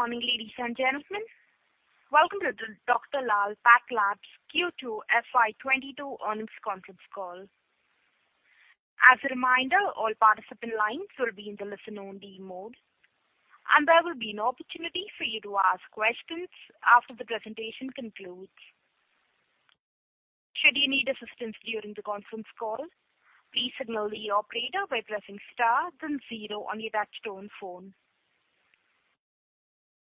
Good morning, ladies and gentlemen. Welcome to the Dr. Lal PathLabs Q2 FY 2022 earnings conference call. As a reminder, all participant lines will be in the listen-only mode, and there will be an opportunity for you to ask questions after the presentation concludes. Should you need assistance during the conference call, please signal the operator by pressing star then zero on your touch-tone phone.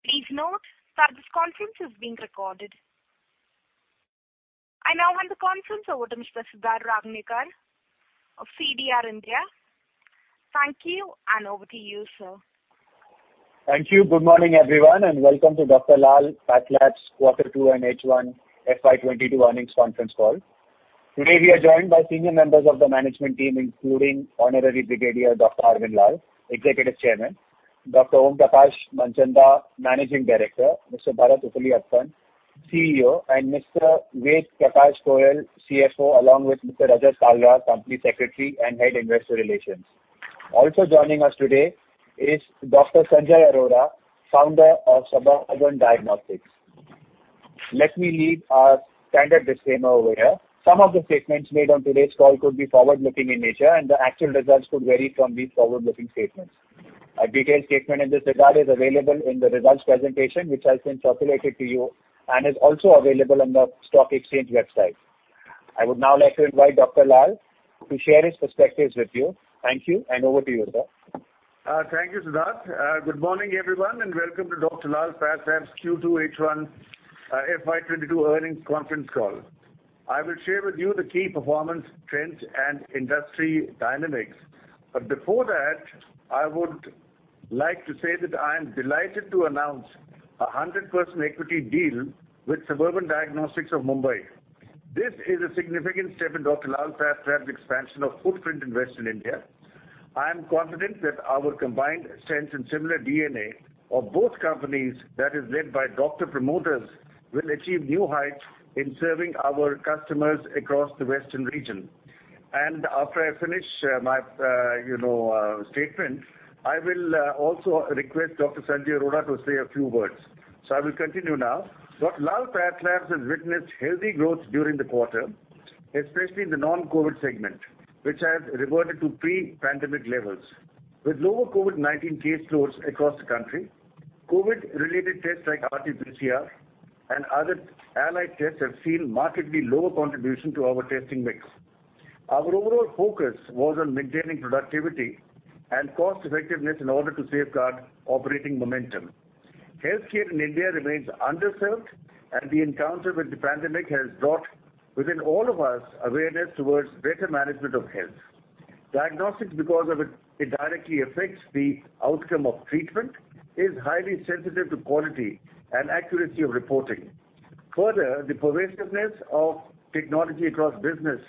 Please note that this conference is being recorded. I now hand the conference over to Mr. Siddharth Rangnekar of CDR India. Thank you, and over to you, sir. Thank you. Good morning, everyone, and welcome to Dr. Lal PathLabs quarter two and H1 FY 2022 earnings conference call. Today, we are joined by senior members of the management team, including Honorary Brigadier Dr. Arvind Lal, Executive Chairman, Dr. Om Prakash Manchanda, Managing Director, Mr. Bharath Uppiliappan, CEO, and Mr. Ved Prakash Goel, CFO, along with Mr. Rajat Kalra, Company Secretary and Head Investor Relations.. Also joining us today is Dr. Sanjay Arora, founder of Suburban Diagnostics. Let me read our standard disclaimer over here. Some of the statements made on today's call could be forward-looking in nature, and the actual results could vary from these forward-looking statements. A detailed statement in this regard is available in the results presentation, which has been circulated to you and is also available on the stock exchange website. I would now like to invite Dr. Lal to share his perspectives with you. Thank you, and over to you, sir. Thank you, Siddharth. Good morning, everyone, and welcome to Dr. Lal PathLabs Q2 H1 FY 2022 earnings conference call. I will share with you the key performance trends and industry dynamics. Before that, I would like to say that I am delighted to announce a 100% equity deal with Suburban Diagnostics of Mumbai. This is a significant step in Dr. Lal PathLabs expansion of footprint in Western India. I am confident that our combined strengths and similar DNA of both companies that is led by doctor promoters will achieve new heights in serving our customers across the western region. After I finish, my, you know, statement, I will also request Dr. Sanjay Arora to say a few words. I will continue now. Dr. Lal PathLabs has witnessed healthy growth during the quarter, especially in the non-COVID segment, which has reverted to pre-pandemic levels. With lower COVID-19 case loads across the country, COVID-related tests like RT-PCR and other allied tests have seen markedly lower contribution to our testing mix. Our overall focus was on maintaining productivity and cost effectiveness in order to safeguard operating momentum. Healthcare in India remains underserved, and the encounter with the pandemic has brought within all of us awareness towards better management of health. Diagnostics, because of it, directly affects the outcome of treatment, is highly sensitive to quality and accuracy of reporting. Further, the pervasiveness of technology across business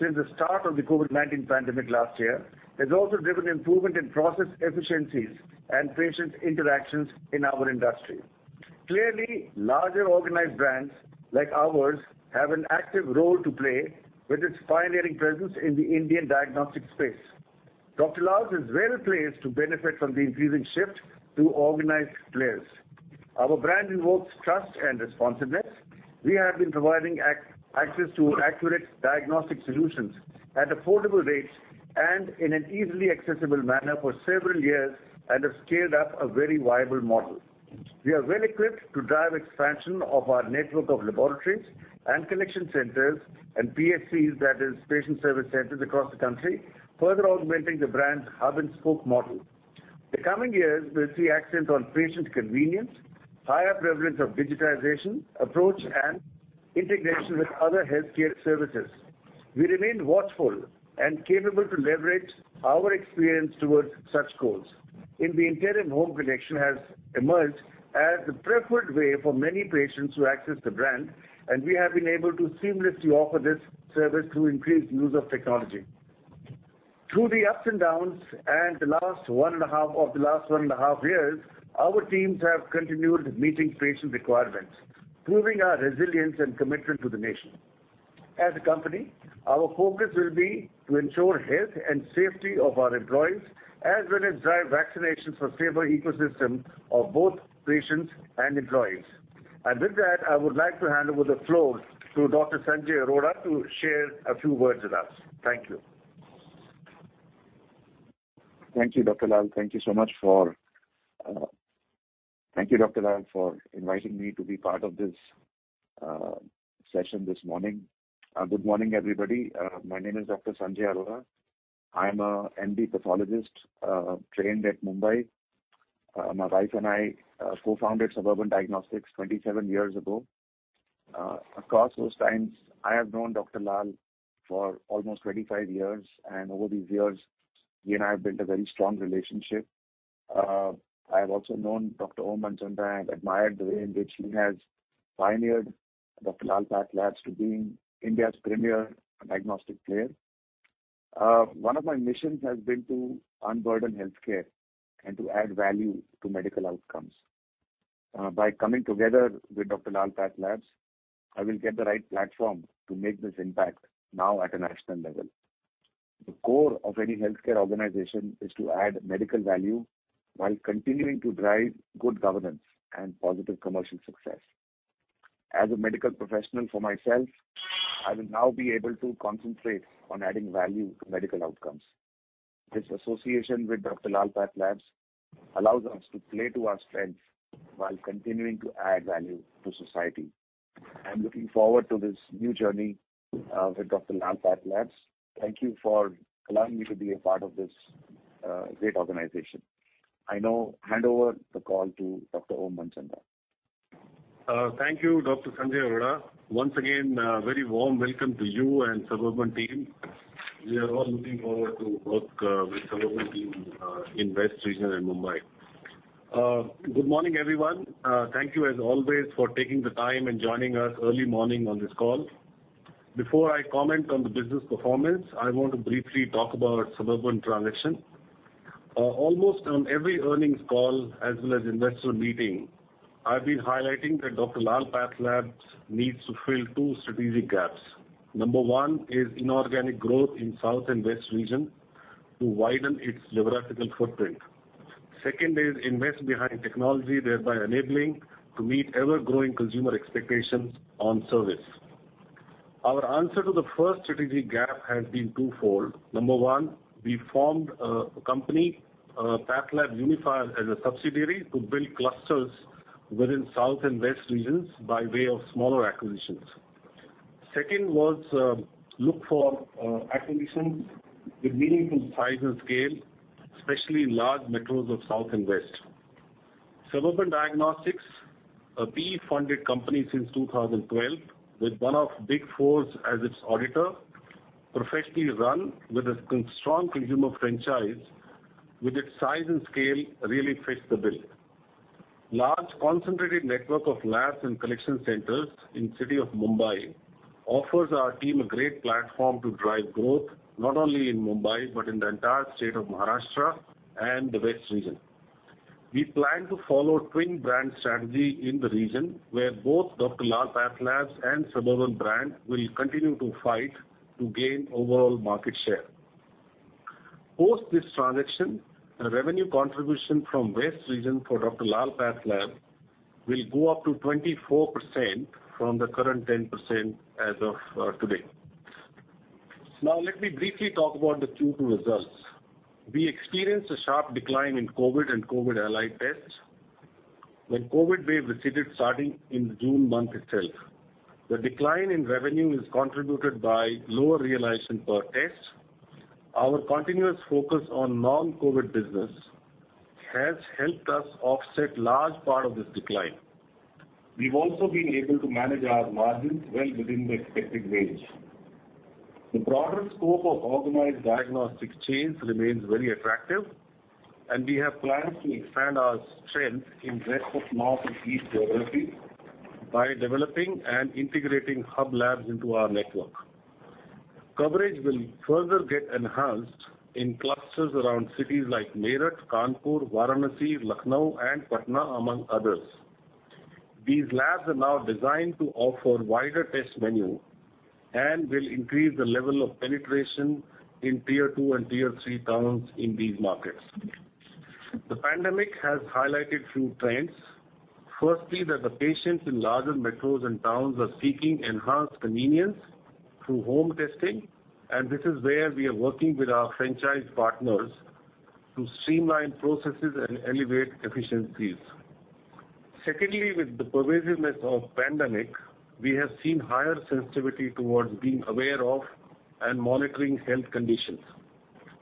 since the start of the COVID-19 pandemic last year has also driven improvement in process efficiencies and patient interactions in our industry. Clearly, larger organized brands like ours have an active role to play with its pioneering presence in the Indian diagnostic space. Dr. Lal PathLabs is well placed to benefit from the increasing shift to organized players. Our brand evokes trust and responsiveness. We have been providing access to accurate diagnostic solutions at affordable rates and in an easily accessible manner for several years and have scaled up a very viable model. We are well equipped to drive expansion of our network of laboratories and collection centers and PSCs, that is Patient Service Centers, across the country, further augmenting the brand's hub and spoke model. The coming years will see accent on patient convenience, higher prevalence of digitization approach, and integration with other healthcare services. We remain watchful and capable to leverage our experience towards such goals. In the interim, home connection has emerged as the preferred way for many patients to access the brand, and we have been able to seamlessly offer this service through increased use of technology. Through the ups and downs of the last one and a half years, our teams have continued meeting patient requirements, proving our resilience and commitment to the nation. As a company, our focus will be to ensure health and safety of our employees, as well as drive vaccinations for safer ecosystem of both patients and employees. With that, I would like to hand over the floor to Dr. Sanjay Arora to share a few words with us. Thank you. Thank you so much, Dr. Lal, for inviting me to be part of this session this morning. Good morning, everybody. My name is Dr. Sanjay Arora. I'm a MD pathologist, trained at Mumbai. My wife and I co-founded Suburban Diagnostics 27 years ago. Across those times, I have known Dr. Lal for almost 25 years, and over these years, he and I have built a very strong relationship. I have also known Dr. Om Prakash Manchanda and admired the way in which he has pioneered Dr. Lal PathLabs to being India's premier diagnostic player. One of my missions has been to unburden healthcare and to add value to medical outcomes. By coming together with Dr. Lal PathLabs, I will get the right platform to make this impact now at a national level. The core of any healthcare organization is to add medical value while continuing to drive good governance and positive commercial success. As a medical professional for myself, I will now be able to concentrate on adding value to medical outcomes. This association with Dr. Lal PathLabs allows us to play to our strengths while continuing to add value to society. I am looking forward to this new journey with Dr. Lal PathLabs. Thank you for allowing me to be a part of this great organization. I now hand over the call to Dr. Om Prakash Manchanda. Thank you, Dr. Sanjay Arora. Once again, a very warm welcome to you and Suburban team. We are all looking forward to work with Suburban team in West region and Mumbai. Good morning, everyone. Thank you as always for taking the time and joining us early morning on this call. Before I comment on the business performance, I want to briefly talk about Suburban transaction. Almost on every earnings call as well as investor meeting, I've been highlighting that Dr. Lal PathLabs needs to fill two strategic gaps. Number one is inorganic growth in South and West region to widen its geographical footprint. Second is invest behind technology, thereby enabling to meet ever-growing consumer expectations on service. Our answer to the first strategic gap has been twofold. Number one, we formed a company, PathLab Unifier as a subsidiary to build clusters within South and West regions by way of smaller acquisitions. Second was to look for acquisitions with meaningful size and scale, especially large metros of South and West. Suburban Diagnostics, a PE-funded company since 2012, with one of the Big Four as its auditor, professionally run with a strong consumer franchise, with its size and scale, really fits the bill. Large concentrated network of labs and collection centers in the city of Mumbai offers our team a great platform to drive growth, not only in Mumbai, but in the entire state of Maharashtra and the West region. We plan to follow twin brand strategy in the region where both Dr. Lal PathLabs and Suburban brand will continue to fight to gain overall market share. Post this transaction, the revenue contribution from West region for Dr. Lal PathLabs will go up to 24% from the current 10% as of today. Now, let me briefly talk about the Q2 results. We experienced a sharp decline in COVID and COVID-allied tests when COVID wave receded starting in June month itself. The decline in revenue is contributed by lower realization per test. Our continuous focus on non-COVID business has helped us offset large part of this decline. We've also been able to manage our margins well within the expected range. The broader scope of organized diagnostic chains remains very attractive, and we have plans to expand our strength in rest of North and East geography by developing and integrating hub labs into our network. Coverage will further get enhanced in clusters around cities like Meerut, Kanpur, Varanasi, Lucknow, and Patna, among others. These labs are now designed to offer wider test menu and will increase the level of penetration in tier 2 and tier 3 towns in these markets. The pandemic has highlighted few trends. Firstly, that the patients in larger metros and towns are seeking enhanced convenience through home testing, and this is where we are working with our franchise partners to streamline processes and elevate efficiencies. Secondly, with the pervasiveness of pandemic, we have seen higher sensitivity towards being aware of and monitoring health conditions.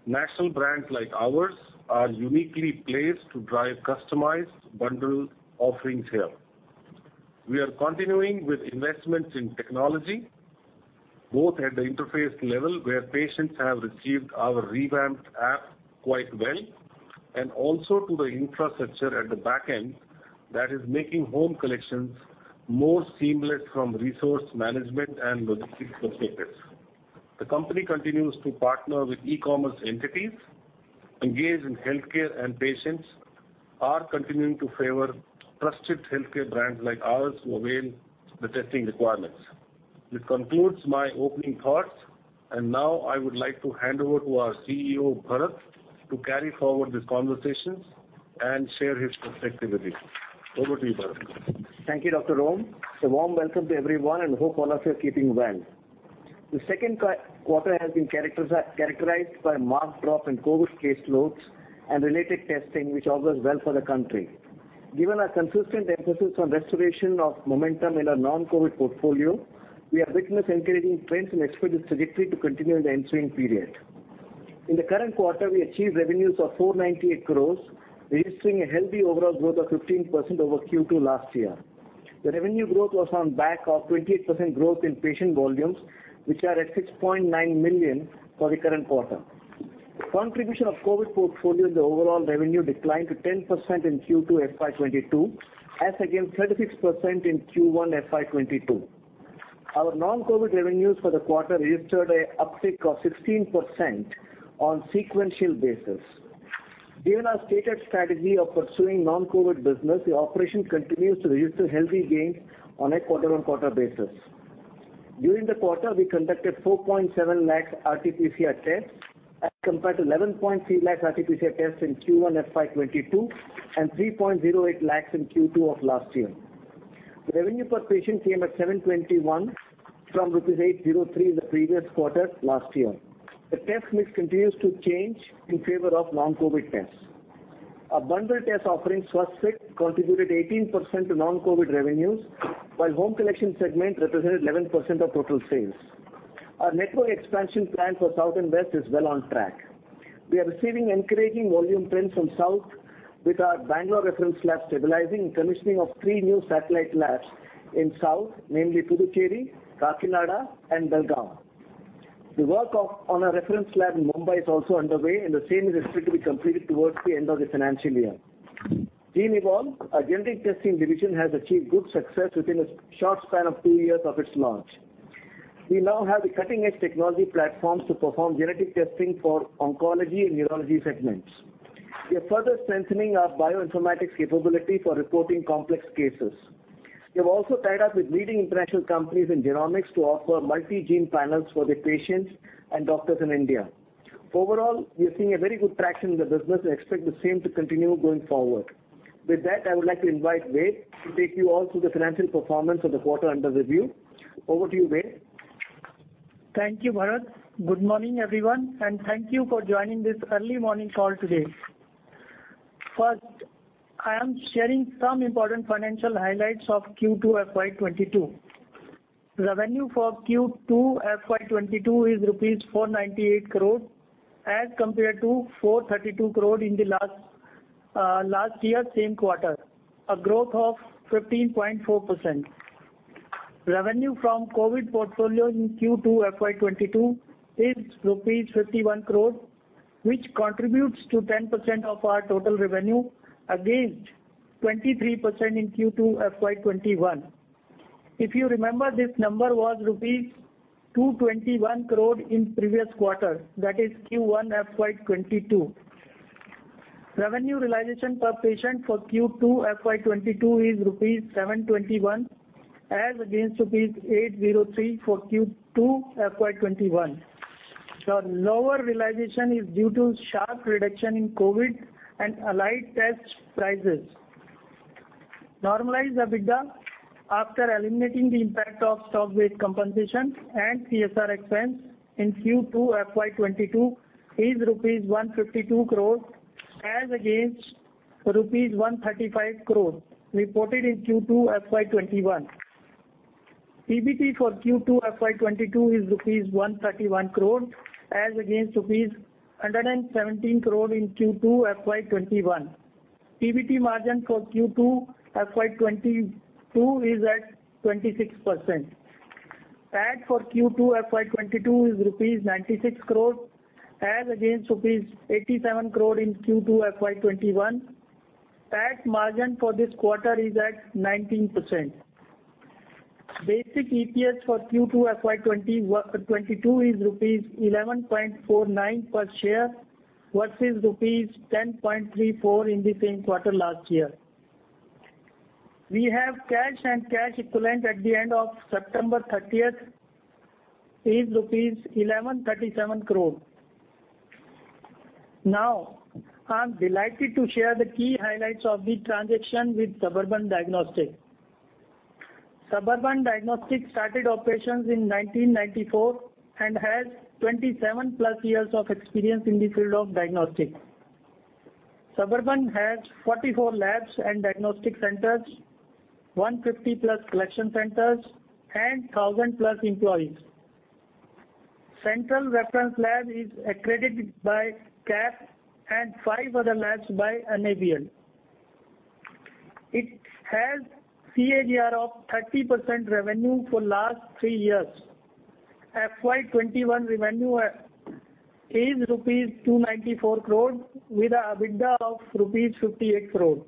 National brands like ours are uniquely placed to drive customized bundled offerings here. We are continuing with investments in technology, both at the interface level, where patients have received our revamped app quite well, and also to the infrastructure at the back end that is making home collections more seamless from resource management and logistics perspectives. The company continues to partner with e-commerce entities engaged in healthcare, and patients are continuing to favor trusted healthcare brands like ours to avail the testing requirements. This concludes my opening thoughts, and now I would like to hand over to our CEO, Bharath, to carry forward these conversations and share his perspective with you. Over to you, Bharath. Thank you, Dr. Om. A warm welcome to everyone and I hope all of you are keeping well. The second quarter has been characterized by a marked drop in COVID caseloads and related testing, which augurs well for the country. Given our consistent emphasis on restoration of momentum in our non-COVID portfolio, we have witnessed encouraging trends and expect this trajectory to continue in the ensuing period. In the current quarter, we achieved revenues of 498 crore, registering a healthy overall growth of 15% over Q2 last year. The revenue growth was on back of 28% growth in patient volumes, which are at 6.9 million for the current quarter. Contribution of COVID portfolio in the overall revenue declined to 10% in Q2 FY 2022, as against 36% in Q1 FY 2022. Our non-COVID revenues for the quarter registered an uptick of 16% on sequential basis. Given our stated strategy of pursuing non-COVID business, the operation continues to register healthy gains on a quarter-on-quarter basis. During the quarter, we conducted 4.7 lakhs RT-PCR tests as compared to 11.3 lakhs RT-PCR tests in Q1 FY 2022, and 3.08 lakhs in Q2 of last year. Revenue per patient came at 721 from 803 the previous quarter last year. The test mix continues to change in favor of non-COVID tests. Our bundle test offering, Swasthfit, contributed 18% to non-COVID revenues, while home collection segment represented 11% of total sales. Our network expansion plan for South and West is well on track. We are receiving encouraging volume trends from South with our Bangalore reference lab stabilizing and commissioning of three new satellite labs in South, namely Puducherry, Kakinada, and Belgaum. The work on our reference lab in Mumbai is also underway, and the same is expected to be completed towards the end of the financial year. Genevolve, our genetic testing division, has achieved good success within a short span of two years of its launch. We now have the cutting-edge technology platforms to perform genetic testing for oncology and neurology segments. We are further strengthening our bioinformatics capability for reporting complex cases. We have also tied up with leading international companies in genomics to offer multi-gene panels for the patients and doctors in India. Overall, we are seeing a very good traction in the business and expect the same to continue going forward. With that, I would like to invite Ved to take you all through the financial performance of the quarter under review. Over to you, Ved. Thank you, Bharath. Good morning, everyone, and thank you for joining this early morning call today. First, I am sharing some important financial highlights of Q2 FY 2022. Revenue for Q2 FY 2022 is rupees 498 crore as compared to 432 crore in the last year same quarter, a growth of 15.4%. Revenue from COVID portfolio in Q2 FY 2022 is rupees 51 crore, which contributes to 10% of our total revenue against 23% in Q2 FY 2021. If you remember, this number was rupees 221 crore in previous quarter, that is Q1 FY 2022. Revenue realization per patient for Q2 FY 2022 is rupees 721 as against rupees 803 for Q2 FY 2021. The lower realization is due to sharp reduction in COVID and allied test prices. Normalized EBITDA after eliminating the impact of stock-based compensation and CSR expense in Q2 FY 2022 is rupees 152 crore as against rupees 135 crore reported in Q2 FY 2021. PBT for Q2 FY 2022 is rupees 131 crore as against rupees 117 crore in Q2 FY 2021. PBT margin for Q2 FY 2022 is at 26%. Tax for Q2 FY 2022 is rupees 96 crore as against rupees 87 crore in Q2 FY 2021. Tax margin for this quarter is at 19%. Basic EPS for Q2 FY 2022 is rupees 11.49 per share versus rupees 10.34 in the same quarter last year. We have cash and cash equivalent at the end of September 30 is INR 1,137 crore. Now, I'm delighted to share the key highlights of the transaction with Suburban Diagnostics. Suburban Diagnostics started operations in 1994 and has 27+ years of experience in the field of diagnostics. Suburban has 44 labs and diagnostic centers, 150+ collection centers, and 1,000+ employees. Central reference lab is accredited by CAP and five other labs by NABL. It has CAGR of 30% revenue for last three years. FY 2021 revenue is rupees 294 crore with a EBITDA of rupees 58 crore.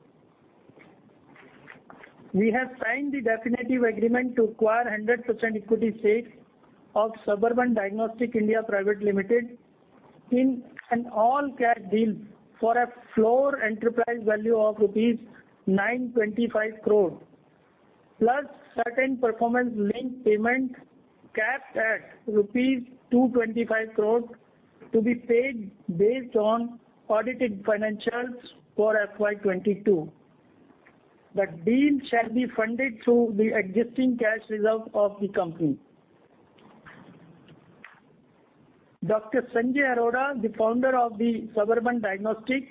We have signed the definitive agreement to acquire 100% equity stake of Suburban Diagnostics (India) Private Limited in an all-cash deal for a floor enterprise value of rupees 925 crore, plus certain performance-linked payment capped at rupees 225 crore to be paid based on audited financials for FY 2022. The deal shall be funded through the existing cash reserve of the company. Dr.Sanjay Arora, the founder of the Suburban Diagnostics,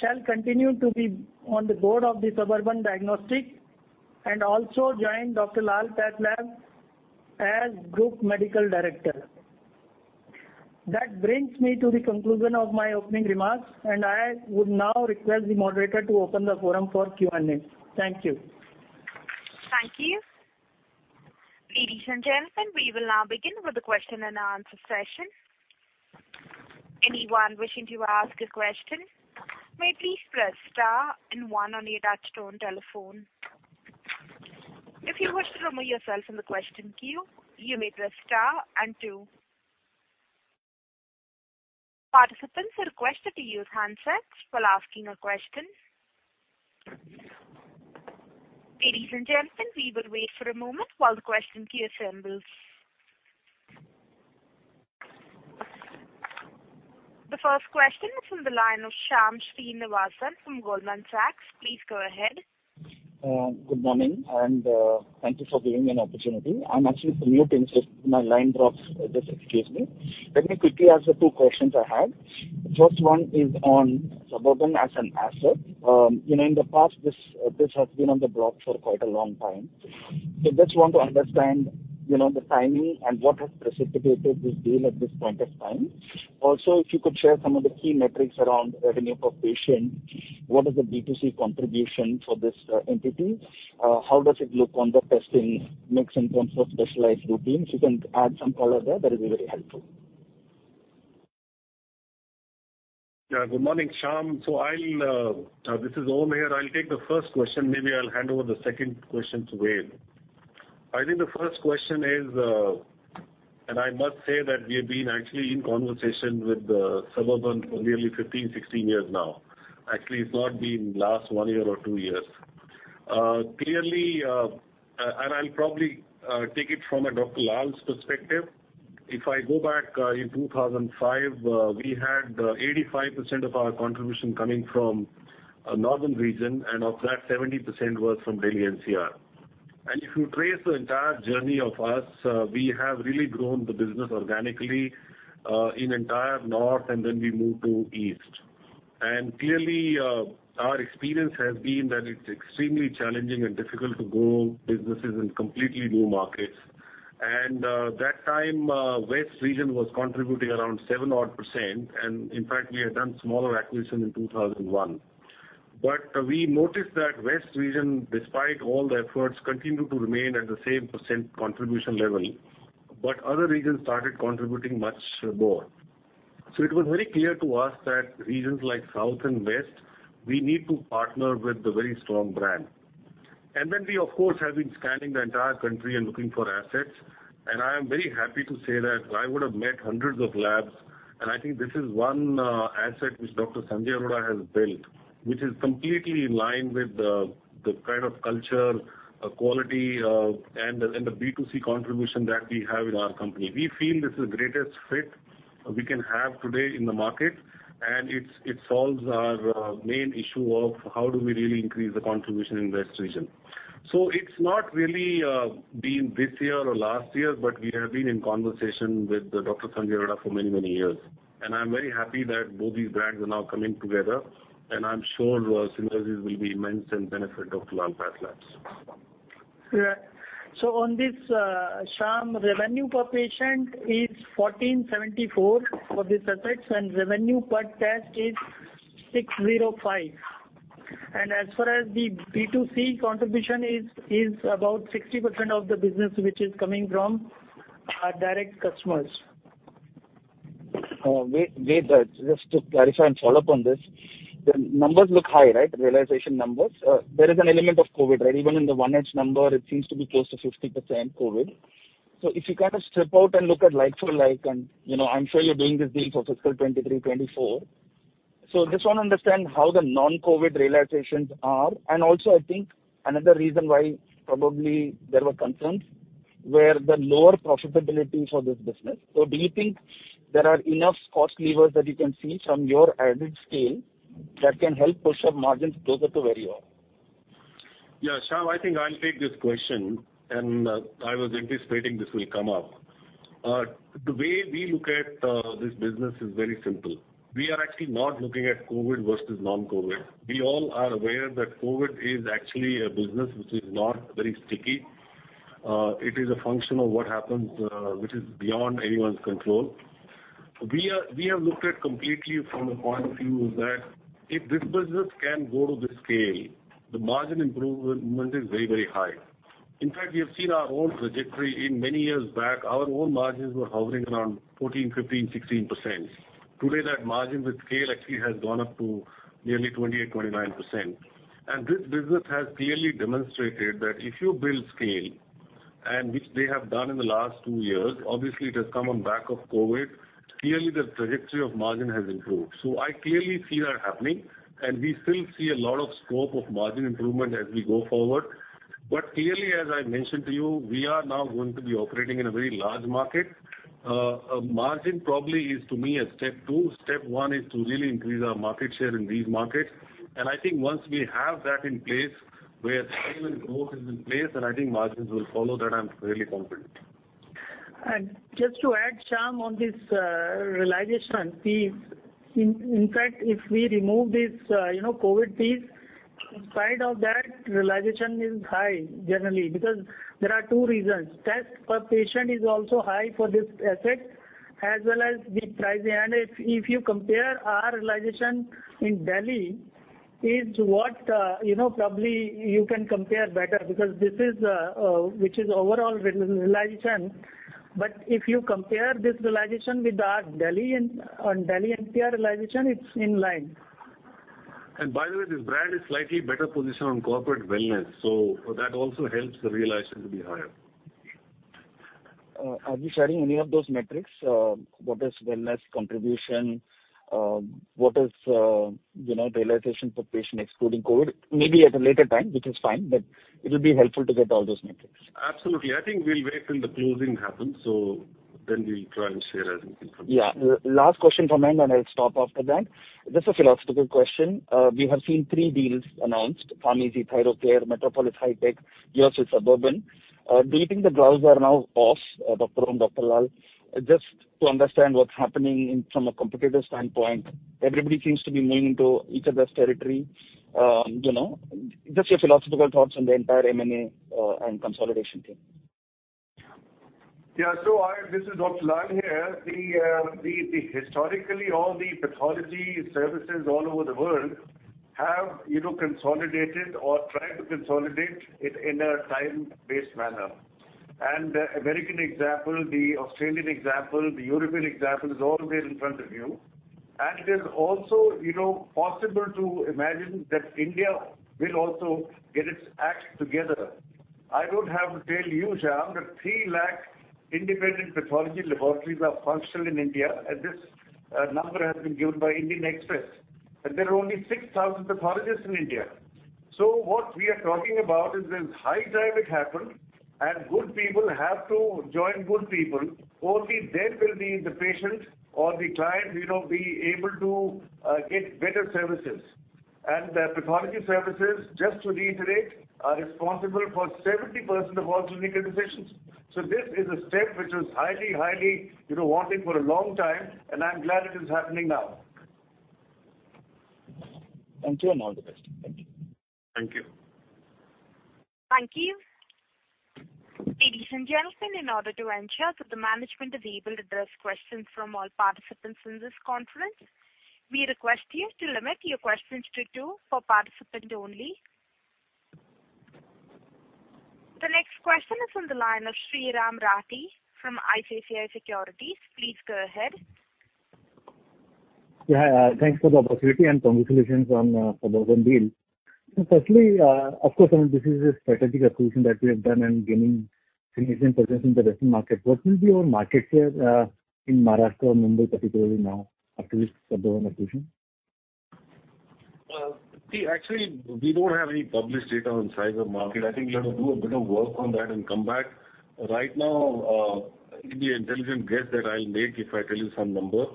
shall continue to be on the board of the Suburban Diagnostics and also join Dr. Lal PathLabs as group medical director. That brings me to the conclusion of my opening remarks, and I would now request the moderator to open the forum for Q&A. Thank you. Thank you. Ladies and gentlemen, we will now begin with the question and answer session. Anyone wishing to ask a question may please press star and one on your touchtone telephone. If you wish to remove yourself from the question queue, you may press star and two. Participants are requested to use handsets while asking a question. Ladies and gentlemen, we will wait for a moment while the question queue assembles. The first question is from the line of Shyam Srinivasan from Goldman Sachs. Please go ahead. Good morning, and thank you for giving me an opportunity. I'm actually commuting, so if my line drops, just excuse me. Let me quickly ask the two questions I had. First one is on Suburban as an asset. You know, in the past this has been on the block for quite a long time. Just want to understand, you know, the timing and what has precipitated this deal at this point of time. Also, if you could share some of the key metrics around revenue per patient, what is the B2C contribution for this entity? How does it look on the testing mix in terms of specialized routines? You can add some color there, that'll be very helpful. Good morning, Shyam. This is Om here. I'll take the first question, maybe I'll hand over the second question to Ved. I think the first question is. I must say that we have been actually in conversation with Suburban for nearly 15, 16 years now. Actually, it's not been the last one year or two years. Clearly, I'll probably take it from Dr. Lal's perspective. If I go back in 2005, we had 85% of our contribution coming from the northern region, and of that 70% was from Delhi NCR. If you trace the entire journey of us, we have really grown the business organically in the entire North, and then we moved to East. Clearly, our experience has been that it's extremely challenging and difficult to grow businesses in completely new markets. That time, west region was contributing around 7%, and in fact, we had done smaller acquisition in 2001. We noticed that west region, despite all the efforts, continued to remain at the same % contribution level, but other regions started contributing much more. It was very clear to us that regions like South and West, we need to partner with a very strong brand. Then we of course have been scanning the entire country and looking for assets, and I am very happy to say that I would have met hundreds of labs, and I think this is one, asset which Dr. Sanjay Arora has built, which is completely in line with the kind of culture, quality, and the B2C contribution that we have in our company. We feel this is the greatest fit we can have today in the market, and it solves our main issue of how do we really increase the contribution in West region. So it's not really been this year or last year, but we have been in conversation with Dr. Sanjay Arora for many, many years. I'm very happy that both these brands are now coming together, and I'm sure synergies will be immense and benefit Dr. Lal PathLabs. On this, Shyam, revenue per patient is 1,474 for these assets, and revenue per test is 605. As far as the B2C contribution is about 60% of the business which is coming from our direct customers. Ved, just to clarify and follow up on this, the numbers look high, right? Realization numbers. There is an element of COVID, right? Even in the 1H number, it seems to be close to 50% COVID. If you kind of strip out and look at like-for-like and, you know, I'm sure you're doing this deal for fiscal 2023, 2024. Just want to understand how the non-COVID realizations are. Also, I think another reason why probably there were concerns were the lower profitability for this business. Do you think there are enough cost levers that you can see from your added scale that can help push up margins closer to where you are? Yeah, Shyam, I think I'll take this question, and I was anticipating this will come up. The way we look at this business is very simple. We are actually not looking at COVID versus non-COVID. We all are aware that COVID is actually a business which is not very sticky. It is a function of what happens, which is beyond anyone's control. We have looked at completely from a point of view that if this business can go to this scale, the margin improvement is very, very high. In fact, you've seen our own trajectory in many years back, our own margins were hovering around 14, 15, 16%. Today, that margin with scale actually has gone up to nearly 28, 29%. This business has clearly demonstrated that if you build scale, and which they have done in the last two years, obviously it has come on back of COVID, clearly the trajectory of margin has improved. I clearly see that happening, and we still see a lot of scope of margin improvement as we go forward. Clearly, as I mentioned to you, we are now going to be operating in a very large market. Margin probably is to me a step two. Step one is to really increase our market share in these markets. I think once we have that in place, where scale and growth is in place, then I think margins will follow that, I'm fairly confident. Just to add, Shyam, on this, realization fees. In fact, if we remove this, you know, COVID fees, in spite of that, realization is high generally. Because there are two reasons. Test per patient is also high for this asset, as well as the pricing. If you compare our realization in Delhi is what, you know, probably you can compare better because this is, which is overall realization. If you compare this realization with our Delhi on Delhi NCR realization, it's in line. By the way, this brand is slightly better positioned on corporate wellness, so that also helps the realization to be higher. Are you sharing any of those metrics? What is wellness contribution? What is, you know, realization per patient excluding COVID? Maybe at a later time, which is fine, but it'll be helpful to get all those metrics. Absolutely. I think we'll wait till the closing happens. We'll try and share as and when from there. Yeah. Last question from me, and I'll stop after that. Just a philosophical question. We have seen three deals announced, PharmEasy, Thyrocare, Metropolis Hitech, yours is Suburban. Do you think the gloves are now off, Dr. Om, Dr. Lal, just to understand what's happening from a competitive standpoint? Everybody seems to be moving into each other's territory. You know, just your philosophical thoughts on the entire M&A and consolidation thing. This is Dr. Lal here. The historically all the pathology services all over the world have, you know, consolidated or tried to consolidate it in a time-based manner. The American example, the Australian example, the European example is all there in front of you. It is also, you know, possible to imagine that India will also get its act together. I don't have to tell you, Shyam, that 3 lakh independent pathology laboratories are functional in India, and this number has been given by The Indian Express. There are only 6,000 pathologists in India. What we are talking about is this high time it happened, and good people have to join good people, only then will the patient or the client, you know, be able to get better services. The pathology services, just to reiterate, are responsible for 70% of all clinical decisions. This is a step which was highly, you know, wanted for a long time, and I'm glad it is happening now. Thank you, and all the best. Thank you. Thank you. Thank you. Ladies and gentlemen, in order to ensure that the management is able to address questions from all participants in this conference, we request you to limit your questions to two per participant only. The next question is on the line of Sriraam Rathi from ICICI Securities. Please go ahead. Yeah. Thanks for the opportunity and congratulations on Suburban deal. First, of course, I mean, this is a strategic acquisition that we have done and gaining significant presence in the western market. What will be your market share in Maharashtra or Mumbai particularly now after this Suburban acquisition? See, actually we don't have any published data on size of market. I think we'll have to do a bit of work on that and come back. Right now, it'll be an intelligent guess that I'll make if I tell you some number.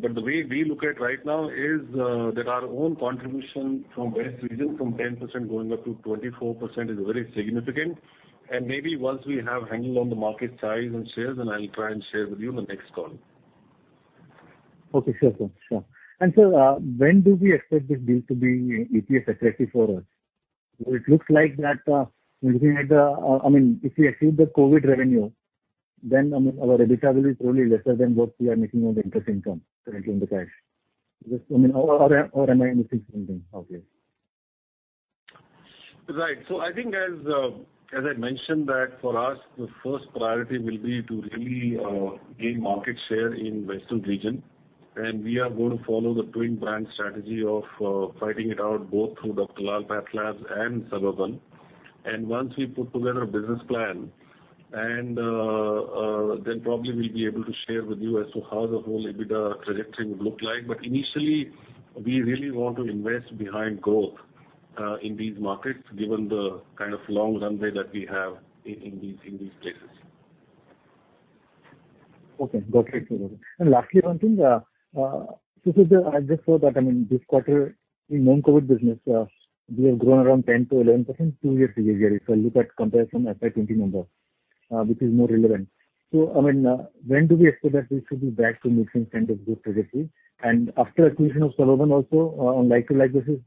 But the way we look at right now is that our own contribution from West region from 10% going up to 24% is very significant. Maybe once we have a handle on the market size and shares, then I'll try and share with you in the next call. Okay. Sure, sir. Sure. Sir, when do we expect this deal to be EPS accretive for us? It looks like that, looking at the. I mean, if we exclude the COVID revenue, then, I mean, our EBITDA will be probably lesser than what we are making on the interest income currently in the cash. I mean, or am I missing something? Okay. Right. I think as I mentioned that for us the first priority will be to really gain market share in western region, and we are going to follow the twin brand strategy of fighting it out both through Dr. Lal PathLabs and Suburban. Once we put together a business plan and then probably we'll be able to share with you as to how the whole EBITDA trajectory would look like. Initially, we really want to invest behind growth in these markets, given the kind of long runway that we have in these places. Okay. Got it. Lastly, one thing, I just saw that, I mean, this quarter in non-COVID business, we have grown around 10%-11% two-year CAGR. I look at comparison FY 2020 numbers, which is more relevant. I mean, when do we expect that we should be back to making kind of good trajectory? After acquisition of Suburban also, on like-to-like basis,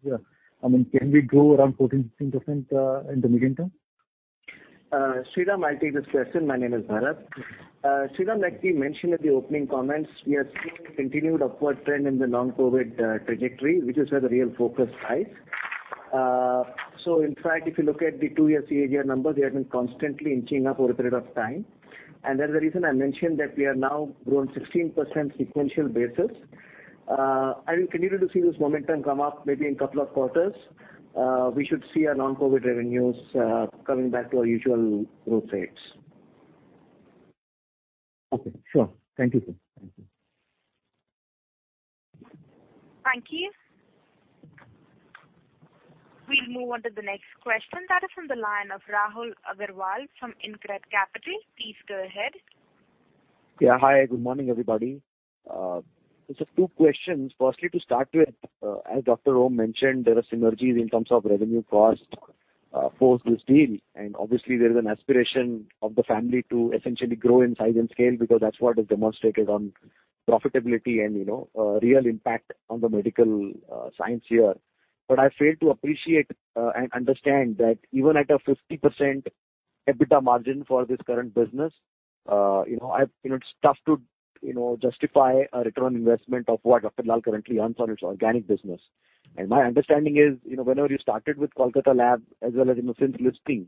I mean, can we grow around 14%-16% in the medium term? Sriraam, I'll take this question. My name is Bharath. Sriraam, like we mentioned at the opening comments, we are seeing a continued upward trend in the non-COVID trajectory, which is where the real focus lies. In fact, if you look at the two-year CAGR numbers, they have been constantly inching up over a period of time. There's a reason I mentioned that we are now grown 16% sequential basis. We continue to see this momentum come up maybe in couple of quarters. We should see our non-COVID revenues coming back to our usual growth rates. Okay. Sure. Thank you, sir. Thank you. Thank you. We'll move on to the next question that is on the line of Rahul Agarwal from Incred Capital. Please go ahead. Yeah. Hi. Good morning, everybody. Just two questions. Firstly, to start with, as Dr. Om mentioned, there are synergies in terms of revenue and cost, post this deal. Obviously there is an aspiration of the family to essentially grow in size and scale because that's what is demonstrated on profitability and, you know, real impact on the medical science here. I fail to appreciate, and understand that even at a 50% EBITDA margin for this current business, you know, it's tough to, you know, justify a return on investment of what Dr. Lal currently earns on its organic business. My understanding is, you know, whenever you started with Kolkata lab as well as, you know, since listing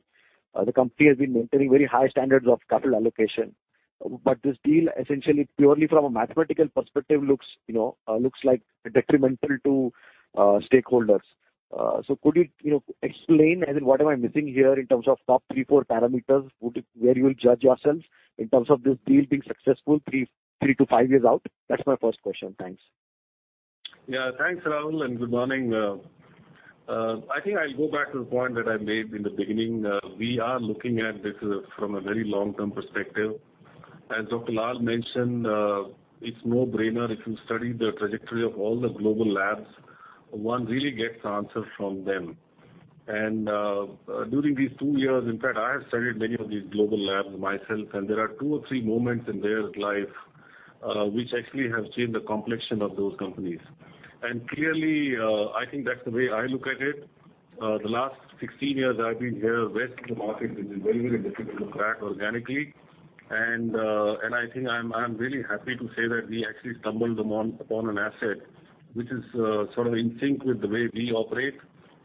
The company has been maintaining very high standards of capital allocation. This deal essentially, purely from a mathematical perspective, looks, you know, looks like detrimental to stakeholders. Could you know, explain, I mean, what am I missing here in terms of top three, four parameters, where you will judge yourselves in terms of this deal being successful three to five years out? That's my first question. Thanks. Yeah. Thanks, Rahul, and good morning. I think I'll go back to the point that I made in the beginning. We are looking at this from a very long-term perspective. As Dr. Lal mentioned, it's a no-brainer. If you study the trajectory of all the global labs, one really gets answers from them. During these 2 years, in fact, I have studied many of these global labs myself, and there are 2 or 3 moments in their life which actually have changed the complexion of those companies. Clearly, I think that's the way I look at it. The last 16 years I've been here, rest of the market has been very, very difficult to crack organically. I think I'm really happy to say that we actually stumbled upon an asset which is sort of in sync with the way we operate.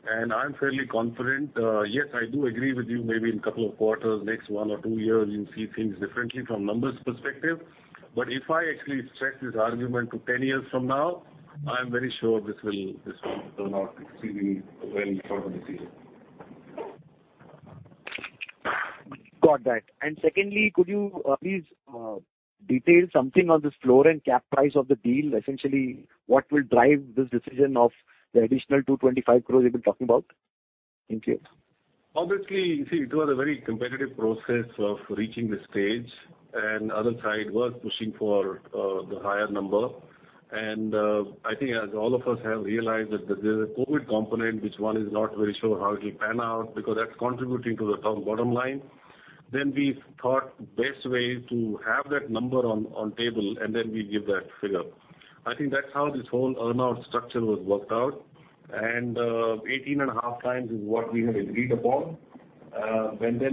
I'm fairly confident, yes, I do agree with you, maybe in couple of quarters, next 1 or 2 years, you'll see things differently from numbers perspective. If I actually stretch this argument to 10 years from now, I'm very sure this will turn out exceedingly well for this reason. Got that. Secondly, could you please detail something on this floor and cap price of the deal? Essentially, what will drive this decision of the additional 225 crore you've been talking about? Thank you. Obviously, you see, it was a very competitive process of reaching this stage, and other side was pushing for the higher number. I think as all of us have realized that there's a COVID component which one is not very sure how it'll pan out because that's contributing to the top and bottom line. We thought best way to have that number on table, and then we give that figure. I think that's how this whole earn-out structure was worked out. 18.5 times is what we have agreed upon.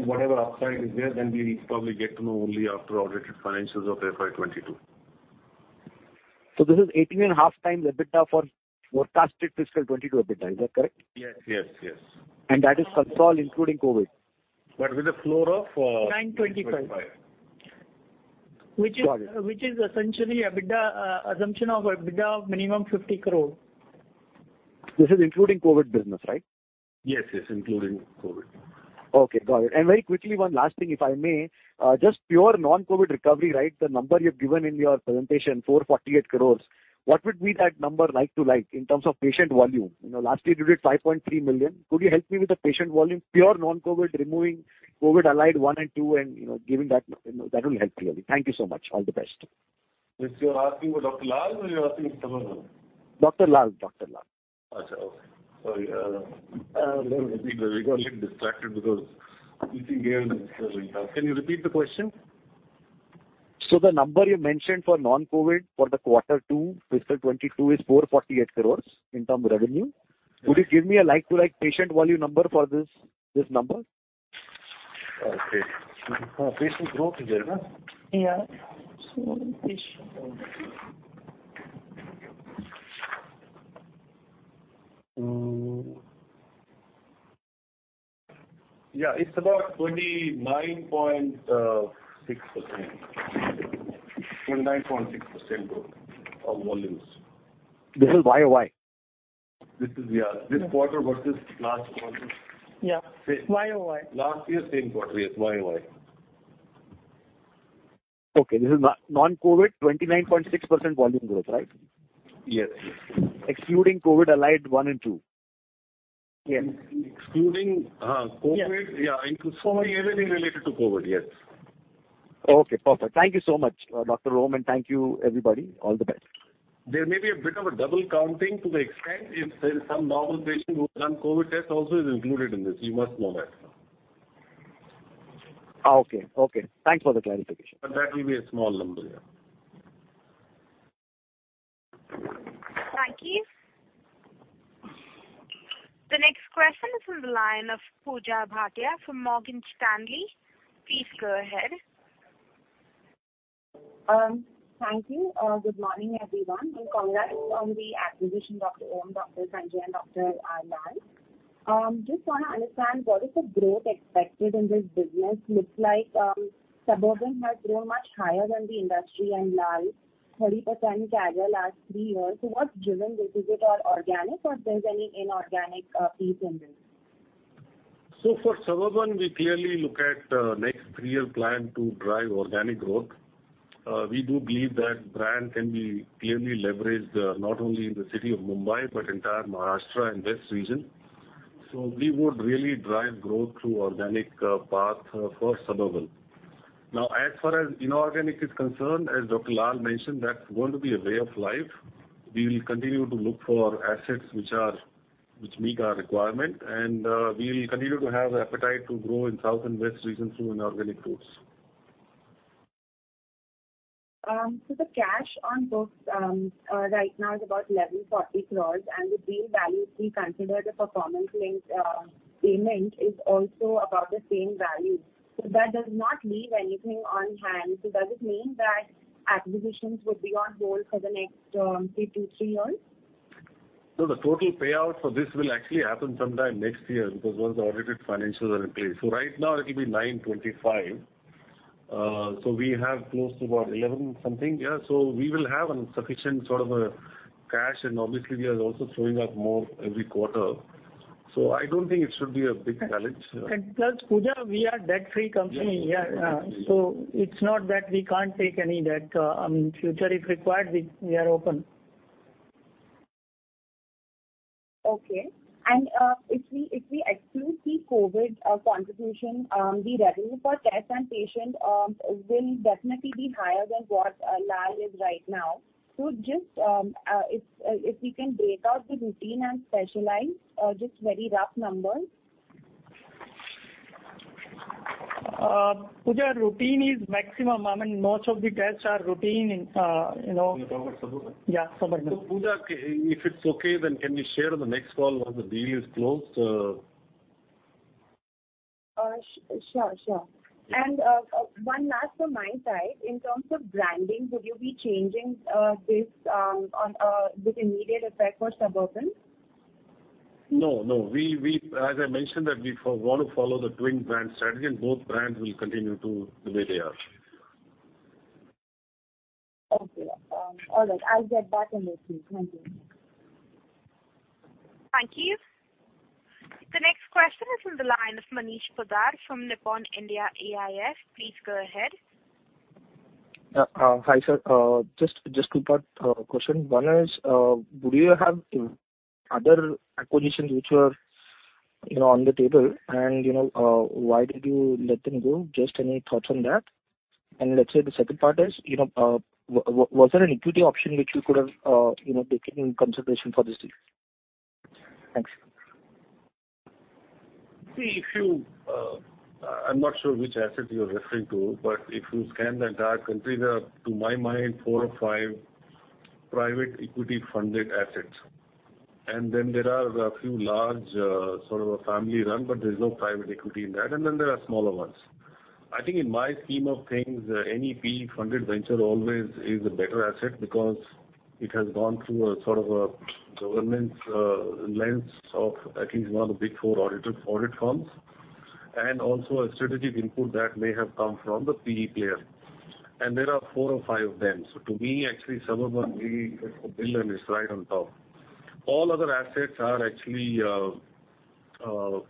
Whatever upside is there, we'll probably get to know only after audited financials of FY 2022. This is 18.5x EBITDA for forecasted FY 2022 EBITDA. Is that correct? Yes. That is consolidated including COVID? With a floor of. 9:25. 9:25 A.M. Which is- Got it. Which is essentially EBITDA, assumption of EBITDA of minimum 50 crore. This is including COVID business, right? Yes, yes, including COVID. Okay. Got it. Very quickly, one last thing, if I may. Just pure non-COVID recovery, right, the number you've given in your presentation, 448 crore, what would be that number like to like in terms of patient volume? You know, last year you did 5.3 million. Could you help me with the patient volume, pure non-COVID, removing COVID allied one and two and, you know, giving that, you know, that will help clearly. Thank you so much. All the best. This you're asking for Dr. Lal, or you're asking for Suburban? Dr. Lal. Okay. Sorry. We got a little distracted because meeting here. Can you repeat the question? The number you mentioned for non-COVID for the quarter two, FY 2022 is 448 crores in terms of revenue. Could you give me a like to like patient volume number for this number? Okay. Yeah. Yeah. It's about 29.6%. 29.6% growth of volumes. This is YOY? This is, yeah. This quarter versus last quarter. Yeah. YoY. Last year same quarter. Yes, YOY. Okay. This is non-COVID, 29.6% volume growth, right? Yes. Yes. Excluding COVID allied 1 and 2. Yes. Excluding COVID. Yes. Everything related to COVID, yes. Okay, perfect. Thank you so much, Dr. Om Prakash Manchanda, and thank you, everybody. All the best. There may be a bit of a double counting to the extent if there's some normal patient who's done COVID test also is included in this. You must know that. Okay. Thanks for the clarification. That will be a small number, yeah. Thank you. The next question is from the line of Pooja Bhatia from Morgan Stanley. Please go ahead. Thank you. Good morning, everyone, and congrats on the acquisition, Dr. Om Prakash Manchanda, Dr. Sanjay Arora, and Dr. Arvind Lal. Just wanna understand what is the growth expected in this business. Looks like Suburban has grown much higher than the industry and Lal 30% CAGR last three years. What's driven this? Is it organic or there's any inorganic fees in this? For Suburban, we clearly look at next three-year plan to drive organic growth. We do believe that brand can be clearly leveraged not only in the city of Mumbai but entire Maharashtra and West region. We would really drive growth through organic path for Suburban. Now, as far as inorganic is concerned, as Dr. Lal mentioned, that's going to be a way of life. We will continue to look for assets which meet our requirement, and we will continue to have appetite to grow in South and West regions through inorganic routes. The cash on books right now is about 40 crores, and the deal value we considered for performance-linked payment is also about the same value. That does not leave anything on hand. Does it mean that acquisitions would be on hold for the next 2-3 years? No, the total payout for this will actually happen sometime next year because once the audited financials are in place. Right now it will be 925. We have close to about 11 something. Yeah, we will have sufficient sort of a cash, and obviously we are also throwing off more every quarter. I don't think it should be a big challenge. Plus, Pooja, we are debt-free company. It's not that we can't take any debt in future if required. We are open. Okay. If we exclude the COVID contribution, the revenue for tests and patient will definitely be higher than what Lal is right now. Just if we can break out the routine and specialized, just very rough numbers. Pooja, routine is maximum. I mean, most of the tests are routine in, you know. You're talking about Suburban? Yeah, Suburban. Pooja, if it's okay, then can we share on the next call once the deal is closed? Sure, sure. One last from my side. In terms of branding, would you be changing this on with immediate effect for Suburban? No, no. As I mentioned that we want to follow the twin brand strategy and both brands will continue the way they are. Okay. All right, I'll get back on this to you. Thank you. Thank you. The next question is on the line of Manish Poddar from Nippon India AIF. Please go ahead. Hi, sir. Just two-part question. One is, do you have other acquisitions which were, you know, on the table? You know, was there an equity option which you could have, you know, taken into consideration for this deal? Thanks. See, if you, I'm not sure which asset you're referring to, but if you scan the entire country, there are, to my mind, four or five private equity funded assets. Then there are a few large, sort of a family run, but there's no private equity in that, and then there are smaller ones. I think in my scheme of things, any PE funded venture always is a better asset because it has gone through a sort of a government lens of at least one of the Big Four audited audit firms, and also a strategic input that may have come from the PE player. There are four or five of them. To me, actually, Suburban we acquired and is right on top. All other assets are actually also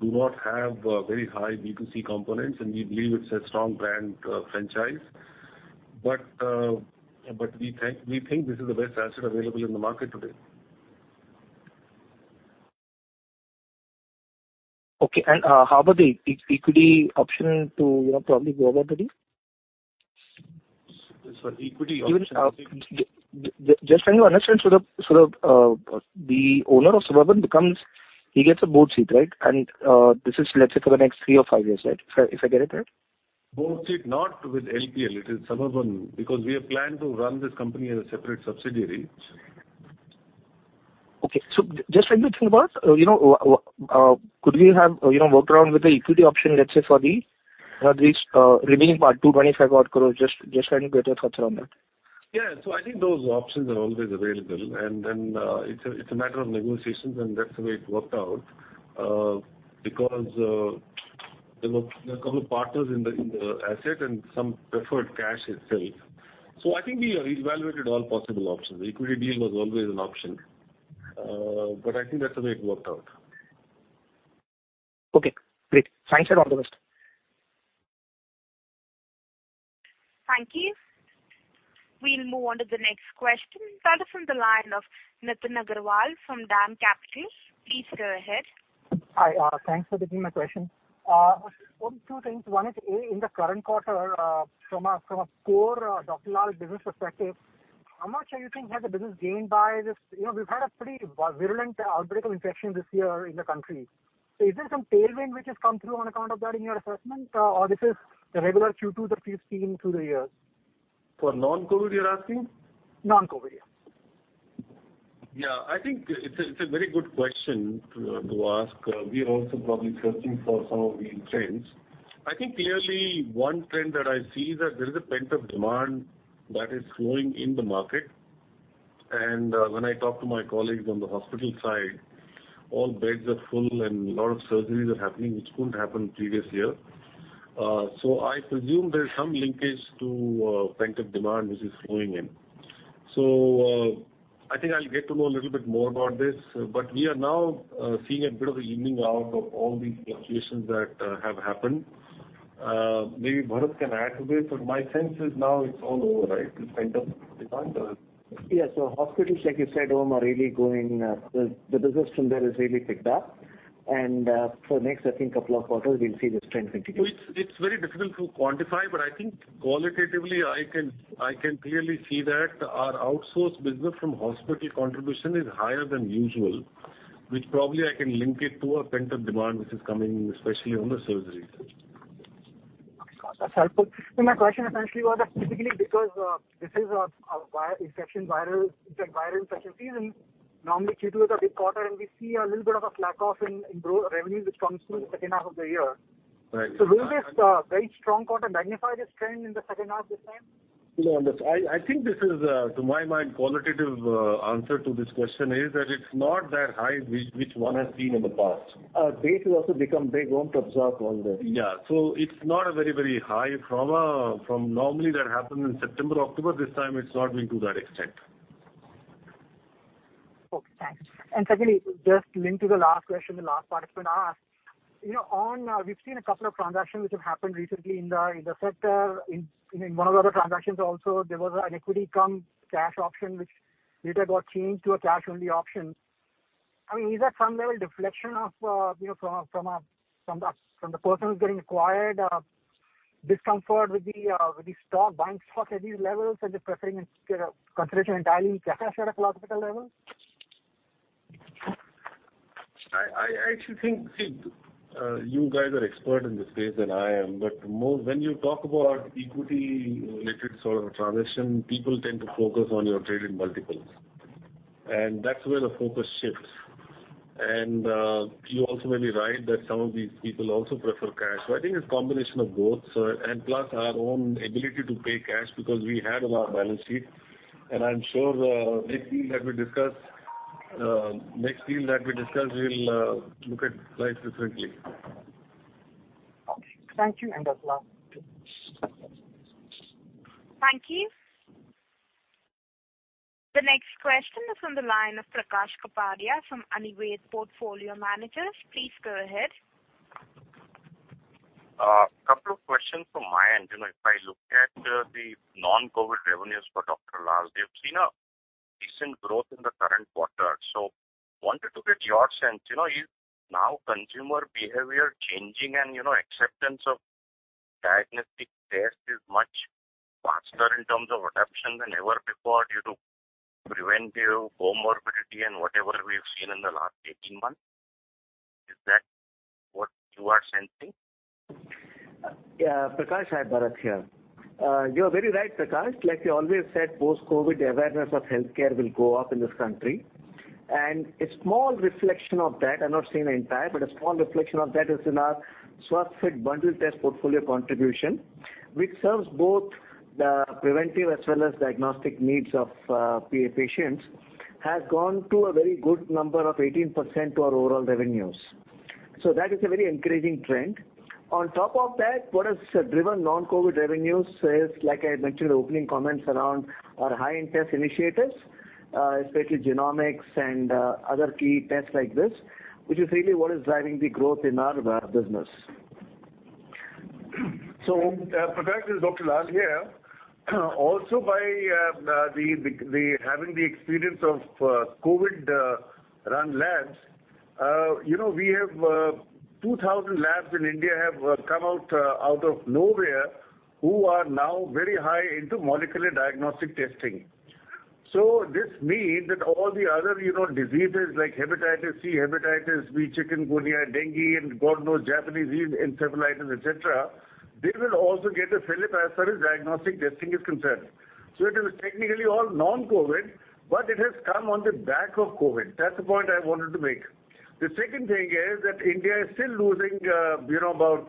do not have a very high B2C components, and we believe it's a strong brand franchise. We think this is the best asset available in the market today. Okay. How about the equity option to, you know, probably go about the deal? Sorry, equity option. Just trying to understand. The owner of Suburban becomes he gets a board seat, right? This is, let's say, for the next 3 or 5 years, right? If I get it right? Board seat not with LPL. It is Suburban, because we have planned to run this company as a separate subsidiary. Okay. Just trying to think about, you know, could we have, you know, worked around with the equity option, let's say for this remaining part, 225 odd crore? Just trying to get your thoughts around that. Yeah. I think those options are always available. It's a matter of negotiations, and that's the way it worked out. Because there are a couple of partners in the asset and some preferred cash itself. I think we evaluated all possible options. The equity deal was always an option. I think that's the way it worked out. Okay, great. Thanks, and all the best. Thank you. We'll move on to the next question. That is from the line of Nitin Agarwal from DAM Capital. Please go ahead. Hi. Thanks for taking my question. Just one, two things. One is, in the current quarter, from a core Dr. Lal business perspective, how much do you think has the business gained by this? You know, we've had a pretty virulent outbreak of infection this year in the country. Is there some tailwind which has come through on account of that in your assessment, or this is the regular Q2 that we've seen through the years? For non-COVID, you're asking? Non-COVID, yeah. I think it's a very good question to ask. We are also probably searching for some of the trends. I think clearly one trend that I see is that there is a pent-up demand that is flowing in the market. When I talk to my colleagues on the hospital side, all beds are full and a lot of surgeries are happening which couldn't happen previous year. I presume there's some linkage to pent-up demand which is flowing in. I think I'll get to know a little bit more about this. We are now seeing a bit of an evening out of all these fluctuations that have happened. Maybe Bharath can add to this, but my sense is now it's all over, right? It's pent-up demand. Yeah. Hospitals, like you said, Om, are really going. The business from there has really picked up. For next, I think, couple of quarters we'll see this trend continue. It's very difficult to quantify, but I think qualitatively I can clearly see that our outsourced business from hospital contribution is higher than usual, which probably I can link it to a pent-up demand which is coming especially on the surgeries. Okay. That's helpful. My question essentially was that typically because this is a viral infection season, normally Q2 is a big quarter, and we see a little bit of a slack off in growth revenues which comes through in the second half of the year. Right. Will this very strong quarter magnify this trend in the second half this time? You know, on this, I think this is to my mind qualitative answer to this question is that it's not that high which one has seen in the past. Base has also become big, won't absorb all this. Yeah. It's not a very, very high drama from what normally happens in September, October. This time it's not been to that extent. Okay, thanks. Secondly, just linked to the last question the last participant asked, you know, on, we've seen a couple of transactions which have happened recently in the sector. In one of the other transactions also, there was an equity cum cash option which later got changed to a cash-only option. I mean, is that some level deflection of, you know, from the person who's getting acquired, discomfort with the stock, buying stock at these levels and they're preferring consideration entirely cash at a philosophical level? I actually think you guys are more expert in this space than I am. More when you talk about equity-related sort of a transaction, people tend to focus on your traded multiples, and that's where the focus shifts. You also may be right that some of these people also prefer cash. I think it's a combination of both. Plus our own ability to pay cash because we had on our balance sheet, and I'm sure the next deal that we discuss we'll look at price differently. Okay. Thank you. That's last two. Thank you. The next question is on the line of Prakash Kapadia from Anived Portfolio Managers. Please go ahead. Couple of questions from my end. You know, if I look at the non-COVID revenues for Dr. Lal, they've seen a decent growth in the current quarter. Wanted to get your sense. You know, is now consumer behavior changing and, you know, acceptance of diagnostic test is much faster in terms of adoption than ever before due to preventive comorbidity and whatever we've seen in the last eighteen months. Is that what you are sensing? Prakash, hi, Bharat here. You're very right, Prakash. Like you always said, post-COVID awareness of healthcare will go up in this country. A small reflection of that, I've not seen the entire, but a small reflection of that is in our Swasthfit bundle test portfolio contribution, which serves both the preventive as well as diagnostic needs of patients, has gone to a very good number of 18% to our overall revenues. That is a very encouraging trend. On top of that, what has driven non-COVID revenues is, like I mentioned in the opening comments around our high-end test initiatives, especially genomics and other key tests like this, which is really what is driving the growth in our business. Prakash, this is Dr. Lal here. Also, by having the experience of COVID-run labs, you know, we have 2,000 labs in India have come out of nowhere who are now very high into molecular diagnostic testing. This means that all the other, you know, diseases like hepatitis C, hepatitis B, chikungunya, dengue and God knows, Japanese Encephalitis, et cetera, they will also get a fillip as far as diagnostic testing is concerned. It is technically all non-COVID, but it has come on the back of COVID. That's the point I wanted to make. The second thing is that India is still losing, you know, about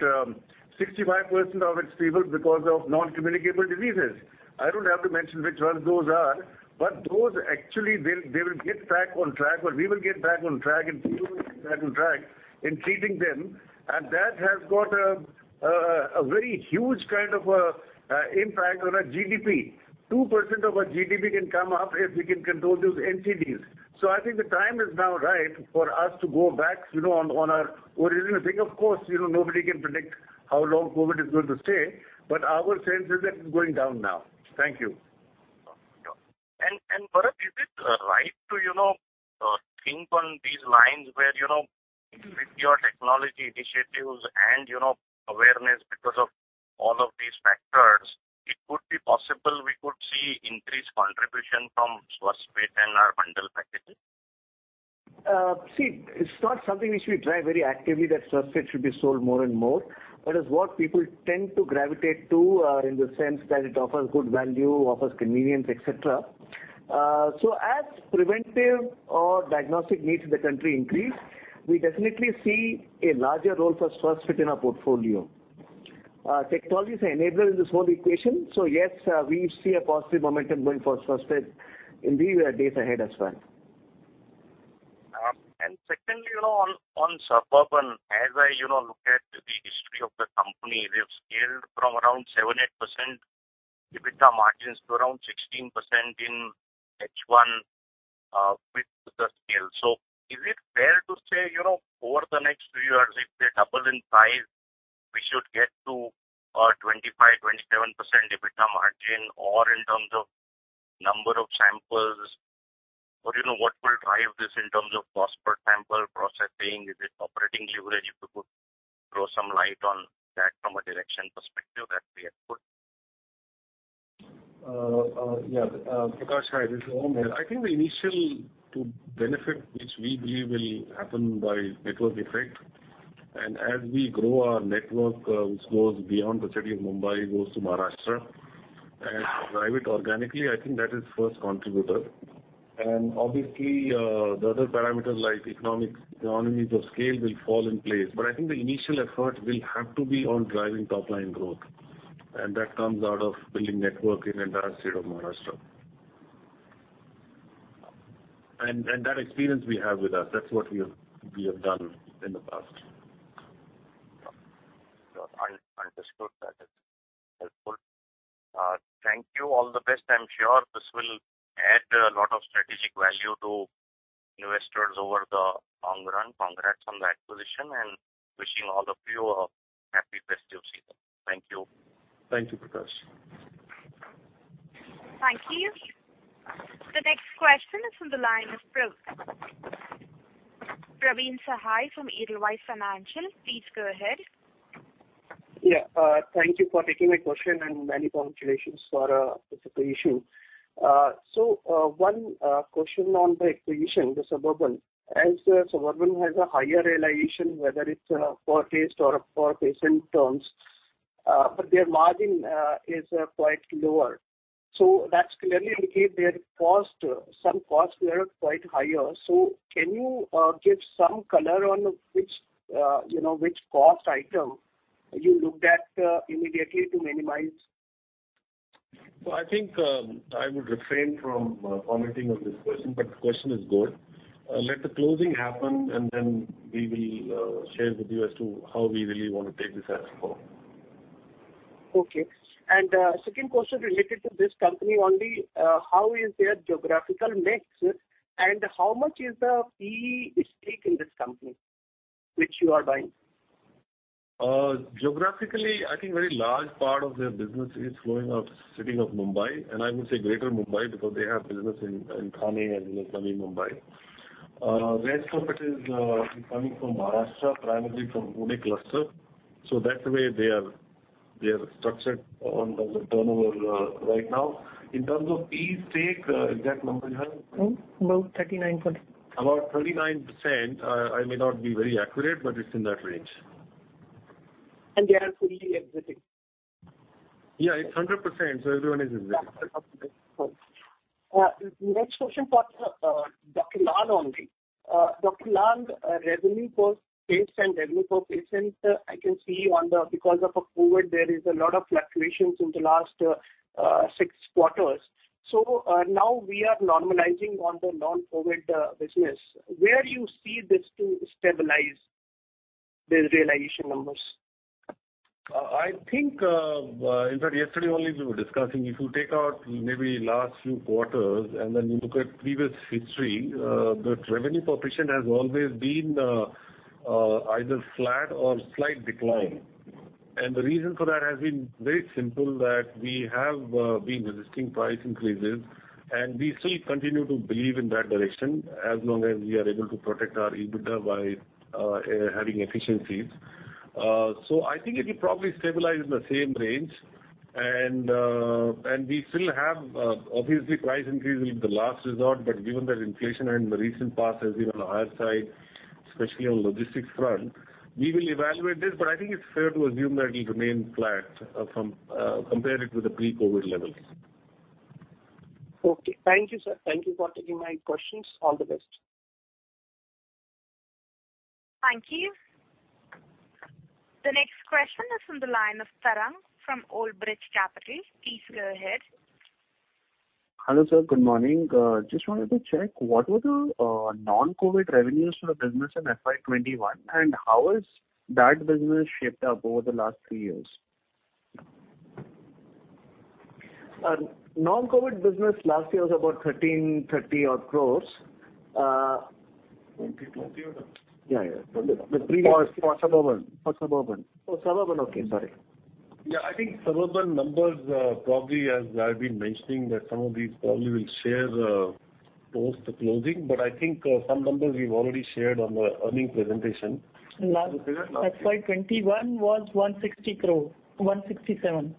65% of its people because of non-communicable diseases. I don't have to mention which ones those are, but those actually they will get back on track, or we will get back on track and back on track in treating them. That has got a very huge kind of impact on our GDP. 2% of our GDP can come up if we can control those NCDs. I think the time is now right for us to go back, you know, on our original thing. Of course, you know, nobody can predict how long COVID is going to stay, but our sense is that it's going down now. Thank you. Bharath, is it right to, you know, think on these lines where, you know, with your technology initiatives and, you know, awareness because of all of these factors, it could be possible we could see increased contribution from Swasthfit and our bundle packages? See, it's not something which we drive very actively that Swasthfit should be sold more and more. That is what people tend to gravitate to, in the sense that it offers good value, offers convenience, et cetera. As preventive or diagnostic needs in the country increase, we definitely see a larger role for Swasthfit in our portfolio. Technologies enable in this whole equation. Yes, we see a positive momentum going for Swasthfit in the days ahead as well. Secondly, you know, on Suburban, as I, you know, look at the history of the company, they've scaled from around 7-8% EBITDA margins to around 16% in H1 with the scale. Is it fair to say, you know, over the next three years, if they double in size, we should get to 25-27% EBITDA margin or in terms of number of samples or you know, what will drive this in terms of cost per sample processing? Is it operating leverage? If you could throw some light on that from a direction perspective that'd be helpful. Prakash, hi, this is Om here. I think the initial benefit which we believe will happen by network effect and as we grow our network, which goes beyond the city of Mumbai, goes to Maharashtra and drive it organically, I think that is first contributor. Obviously, the other parameters like economies of scale will fall in place. I think the initial effort will have to be on driving top-line growth. That comes out of building network in entire state of Maharashtra. That experience we have with us. That's what we have done in the past. Understood. That is helpful. Thank you. All the best. I'm sure this will add a lot of strategic value to investors over the long run. Congrats on the acquisition and wishing all of you a happy festive season. Thank you. Thank you, Prakash. Thank you. The next question is from the line of Praveen. Praveen Sahay from Edelweiss Financial, please go ahead. Yeah, thank you for taking my question and many congratulations for this acquisition. One question on the acquisition, the Suburban. As Suburban has a higher realization, whether it's per case or per patient terms, but their margin is quite lower. That's clearly indicate their cost, some costs were quite higher. Can you give some color on which, you know, which cost item you looked at immediately to minimize? Well, I think, I would refrain from commenting on this question, but the question is good. Let the closing happen, and then we will share with you as to how we really wanna take this as forward. Okay. Second question related to this company only. How is their geographical mix, and how much is the PE stake in this company which you are buying? Geographically, I think very large part of their business is flowing out city of Mumbai, and I would say Greater Mumbai because they have business in Thane and in Navi Mumbai. Rest of it is coming from Maharashtra, primarily from Pune cluster. That way they are structured on the turnover right now. In terms of PE stake, exact number you have? 39%. About 39%. I may not be very accurate, but it's in that range. They are fully exiting? Yeah, it's 100%, so everyone is exiting. Okay, cool. Next question for Dr. Lal only. Dr. Lal, revenue per case and revenue per patient, I can see on the, because of COVID, there is a lot of fluctuations in the last six quarters. Now we are normalizing on the non-COVID business. Where do you see this to stabilize the realization numbers? I think, in fact yesterday only we were discussing, if you take out maybe last few quarters and then you look at previous history, the revenue per patient has always been either flat or slight decline. The reason for that has been very simple, that we have been resisting price increases, and we still continue to believe in that direction as long as we are able to protect our EBITDA by having efficiencies. I think it will probably stabilize in the same range. We still have, obviously, price increase will be the last resort, but given that inflation in the recent past has been on the higher side, especially on logistics front, we will evaluate this, but I think it's fair to assume that it will remain flat, compare it with the pre-COVID levels. Okay. Thank you, sir. Thank you for taking my questions. All the best. Thank you. The next question is from the line of Tarang from Old Bridge Capital. Please go ahead. Hello, sir. Good morning. Just wanted to check, what were the non-COVID revenues for the business in FY 2021, and how has that business shaped up over the last three years? Non-COVID business last year was about 1,330 crores. 2020 odd? Yeah, yeah. For Suburban? For Suburban. Oh, Suburban. Okay, sorry. Yeah, I think Suburban numbers probably as I've been mentioning that some of these probably we'll share post the closing, but I think some numbers we've already shared on the earnings presentation. Last- Is it last year? FY 2021 was INR 160 crore, 167.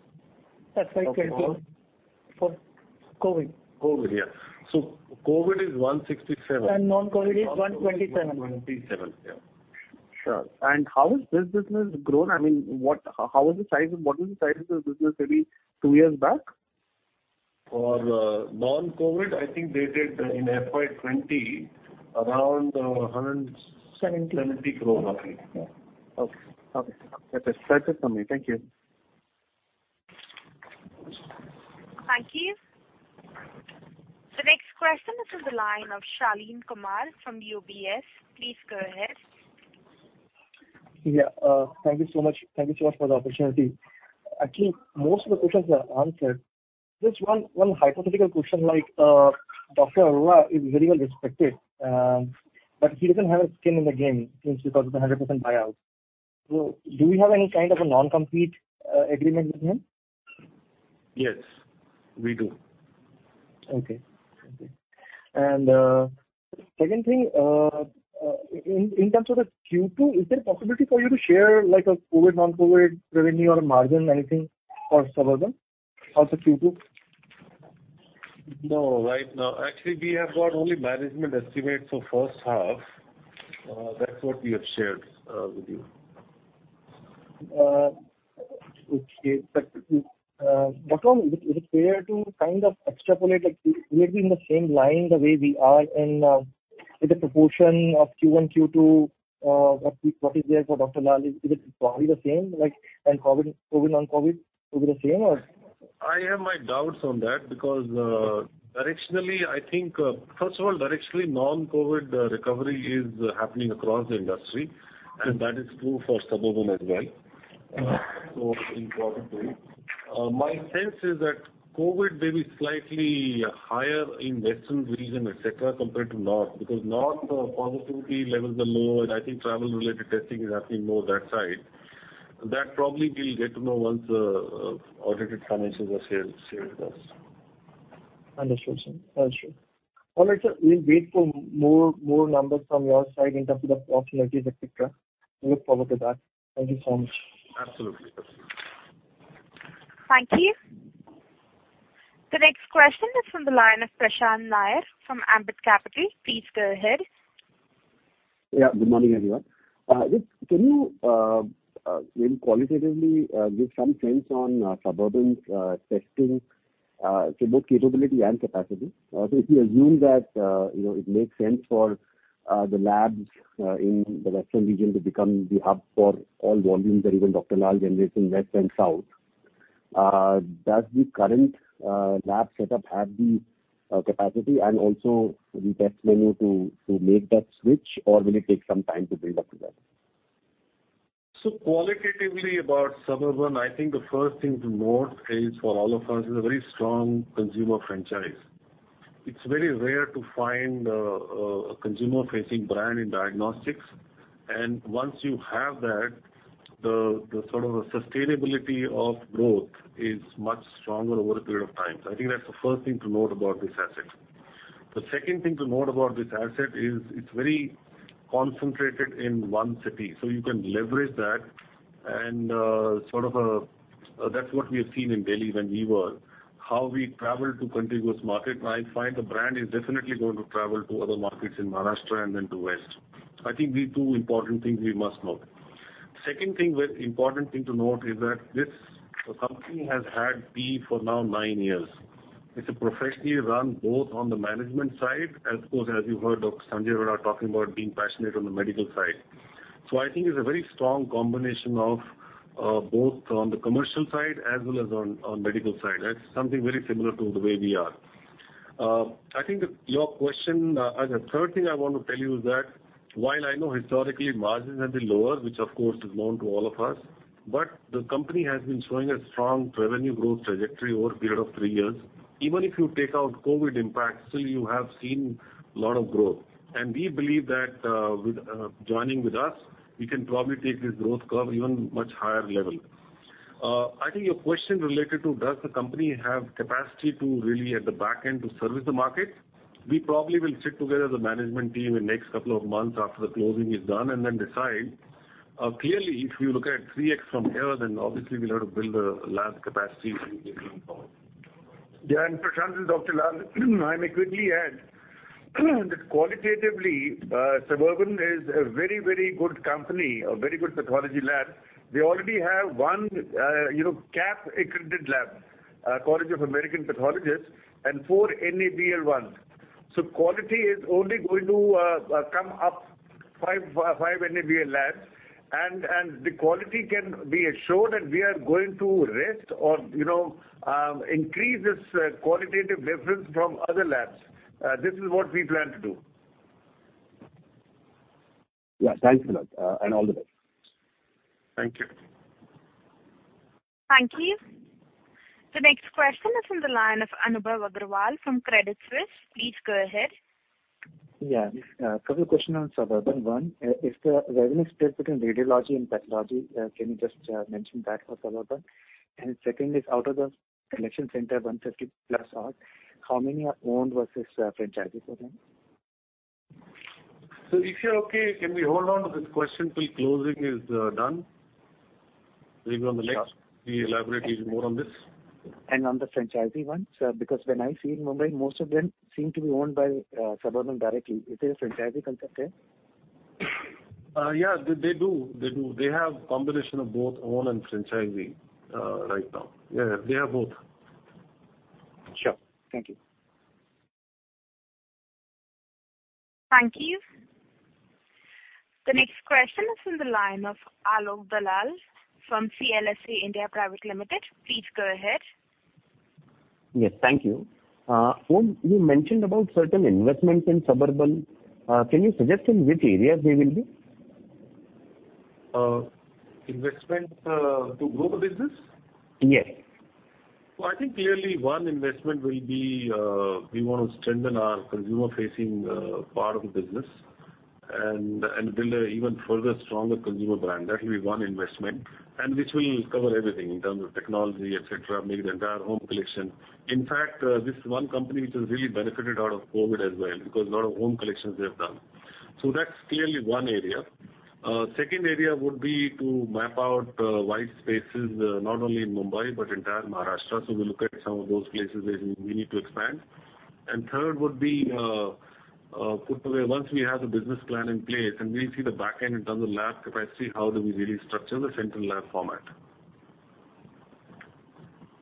Of what? For COVID. COVID, yeah. COVID is 167. Non-COVID is 127. 127, yeah. Sure. How has this business grown? I mean, what was the size of the business maybe two years back? For non-COVID, I think they did in FY 2020 around 100 and- Seventy INR 70 crore. Okay. Okay. That's it from me. Thank you. Thank you. The next question is from the line of Shaleen Kumar from UBS. Please go ahead. Thank you so much. Thank you so much for the opportunity. Actually, most of the questions are answered. Just one hypothetical question, like, Dr. Sanjay Arora is very well respected, but he doesn't have a skin in the game because of the 100% buyout. Do we have any kind of a non-compete agreement with him? Yes, we do. Okay. Okay. Second thing, in terms of the Q2, is there a possibility for you to share like a COVID, non-COVID revenue or margin, anything for Suburban of the Q2? No, right now. Actually, we have got only management estimate for first half. That's what we have shared with you. Okay. Bharath, is it fair to kind of extrapolate, like, will it be in the same line the way we are in, with the proportion of Q1, Q2, what is there for Dr. Lal? Is it probably the same, like, and COVID/non-COVID will be the same or? I have my doubts on that because directionally, I think, first of all, directionally non-COVID recovery is happening across the industry, and that is true for Suburban as well. Importantly. My sense is that COVID may be slightly higher in western region, et cetera, compared to north, because north positivity levels are lower. I think travel-related testing is happening more that side. That probably we'll get to know once the audited finances are shared with us. Understood, sir. Understood. All right, sir. We'll wait for more numbers from your side in terms of the opportunities, et cetera. We look forward to that. Thank you so much. Absolutely. Thank you. The next question is from the line of Prashant Nair from Ambit Capital. Please go ahead. Yeah. Good morning, everyone. Just can you maybe qualitatively give some sense on Suburban's testing, so both capability and capacity. So if you assume that, you know, it makes sense for the labs in the western region to become the hub for all volumes that even Dr. Lal generates in west and south, does the current lab setup have the capacity and also the test menu to make that switch, or will it take some time to build up to that? Qualitatively about Suburban, I think the first thing to note is for all of us is a very strong consumer franchise. It's very rare to find a consumer-facing brand in diagnostics. Once you have that, the sort of a sustainability of growth is much stronger over a period of time. I think that's the first thing to note about this asset. The second thing to note about this asset is it's very concentrated in one city, so you can leverage that and sort of that's what we have seen in Delhi when we were, how we traveled to contiguous market. I find the brand is definitely going to travel to other markets in Maharashtra and then to west. I think these two important things we must note. Second thing, very important thing to note is that this company has had me for now nine years. It's a professionally run both on the management side, and of course, as you heard Dr. Sanjay Arora talking about being passionate on the medical side. I think it's a very strong combination of both on the commercial side as well as on medical side. That's something very similar to the way we are. I think your question, as a third thing I want to tell you is that while I know historically margins have been lower, which of course is known to all of us, but the company has been showing a strong revenue growth trajectory over a period of three years. Even if you take out COVID impact, still you have seen a lot of growth. We believe that with joining with us, we can probably take this growth curve even much higher level. I think your question related to does the company have capacity to really at the back end to service the market, we probably will sit together as a management team in next couple of months after the closing is done and then decide. Clearly, if you look at 3x from here, then obviously we'll have to build a lab capacity. Yeah, Prashant, this is Dr. Lal. I may quickly add that qualitatively, Suburban is a very, very good company, a very good pathology lab. They already have one, you know, CAP-accredited lab, College of American Pathologists, and four NABL ones. So quality is only going to come up. Five NABL labs. The quality can be assured, and we are going to, you know, increase this qualitative difference from other labs. This is what we plan to do. Yeah. Thanks a lot, and all the best. Thank you. Thank you. The next question is on the line of Anubhav Agarwal from Credit Suisse. Please go ahead. Yeah. A couple of questions on Suburban. One, is the revenue split between radiology and pathology? Can you just mention that for Suburban? Second is out of the collection center, 150-odd, how many are owned versus franchisee for them? If you're okay, can we hold on to this question till closing is done? Maybe on the next we elaborate even more on this. On the franchisee one, sir, because when I see in Mumbai, most of them seem to be owned by Suburban directly. Is there a franchisee concept there? They do. They have combination of both owned and franchisee right now. They have both. Sure. Thank you. Thank you. The next question is on the line of Alok Dalal from CLSA India Private Limited. Please go ahead. Yes, thank you. Om, you mentioned about certain investments in Suburban. Can you suggest in which areas they will be? Investment to grow the business? Yes. I think clearly one investment will be we wanna strengthen our consumer-facing part of the business and build a even further stronger consumer brand. That will be one investment, and which will cover everything in terms of technology, et cetera, maybe the entire home collection. In fact, this is one company which has really benefited out of COVID as well, because a lot of home collections they have done. That's clearly one area. Second area would be to map out white spaces not only in Mumbai, but entire Maharashtra. We'll look at some of those places where we need to expand. Third would be once we have the business plan in place and we see the back end in terms of labs, capacity, how do we really structure the central lab format?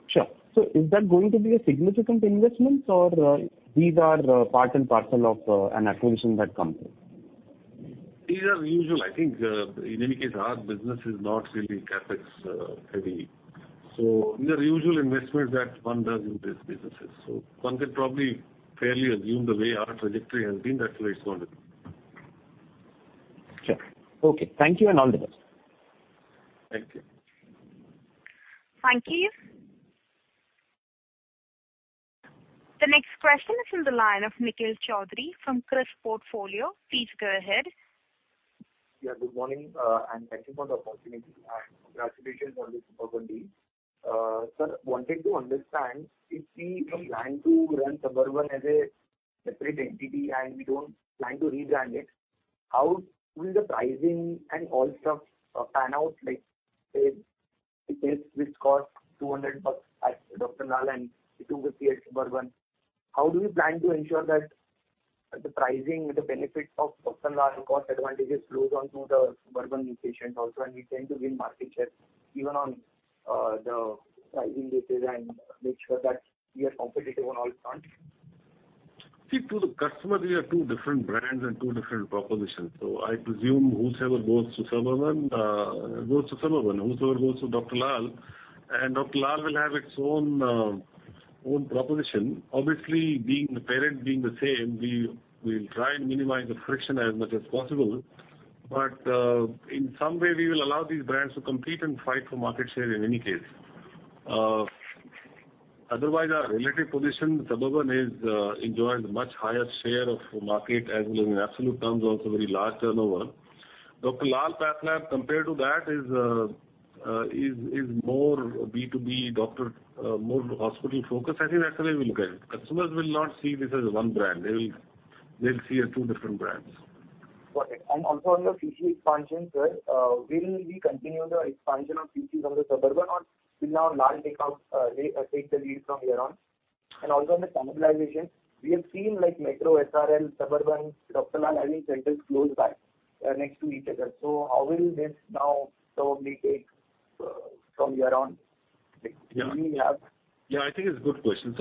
Sure. Is that going to be a significant investment or these are part and parcel of an acquisition that comes in? These are usual. I think, in any case, our business is not really CapEx heavy. These are usual investments that one does in these businesses. One can probably fairly assume the way our trajectory has been, that's the way it's going to be. Sure. Okay. Thank you, and all the best. Thank you. Thank you. The next question is from the line of Nikhil Chowdhary from Kriis Portfolio. Please go ahead. Yeah, good morning, and thank you for the opportunity and congratulations on the super good deal. Sir, I wanted to understand if we plan to run Suburban as a separate entity and we don't plan to rebrand it, how will the pricing and all stuff pan out? Like, say, a test which costs INR 200 at Dr. Lal and we do with the Suburban. How do we plan to ensure that the pricing, the benefit of Dr. Lal cost advantages flows on to the Suburban new patients also, and we stand to win market share even on the pricing basis and make sure that we are competitive on all fronts? See, to the customer, we are two different brands and two different propositions. I presume whosoever goes to Suburban goes to Suburban, whosoever goes to Dr. Lal, and Dr. Lal will have its own proposition. Obviously, being the parent being the same, we'll try and minimize the friction as much as possible. In some way, we will allow these brands to compete and fight for market share in any case. Otherwise our relative position, Suburban is enjoying the much higher share of the market as well in absolute terms, also very large turnover. Dr. Lal PathLabs compared to that is more B2B doctor, more hospital-focused. I think that's the way we look at it. Customers will not see this as one brand. They'll see as two different brands. Got it. Also on the CC expansion, sir, will we continue the expansion of CCs under Suburban or will now Lal take over, they take the lead from here on? Also on the cannibalization, we have seen like Metro, SRL, Suburban, Dr. Lal having centers close by, next to each other. How will this now probably take from here on? Like, will we have- Yeah, I think it's a good question.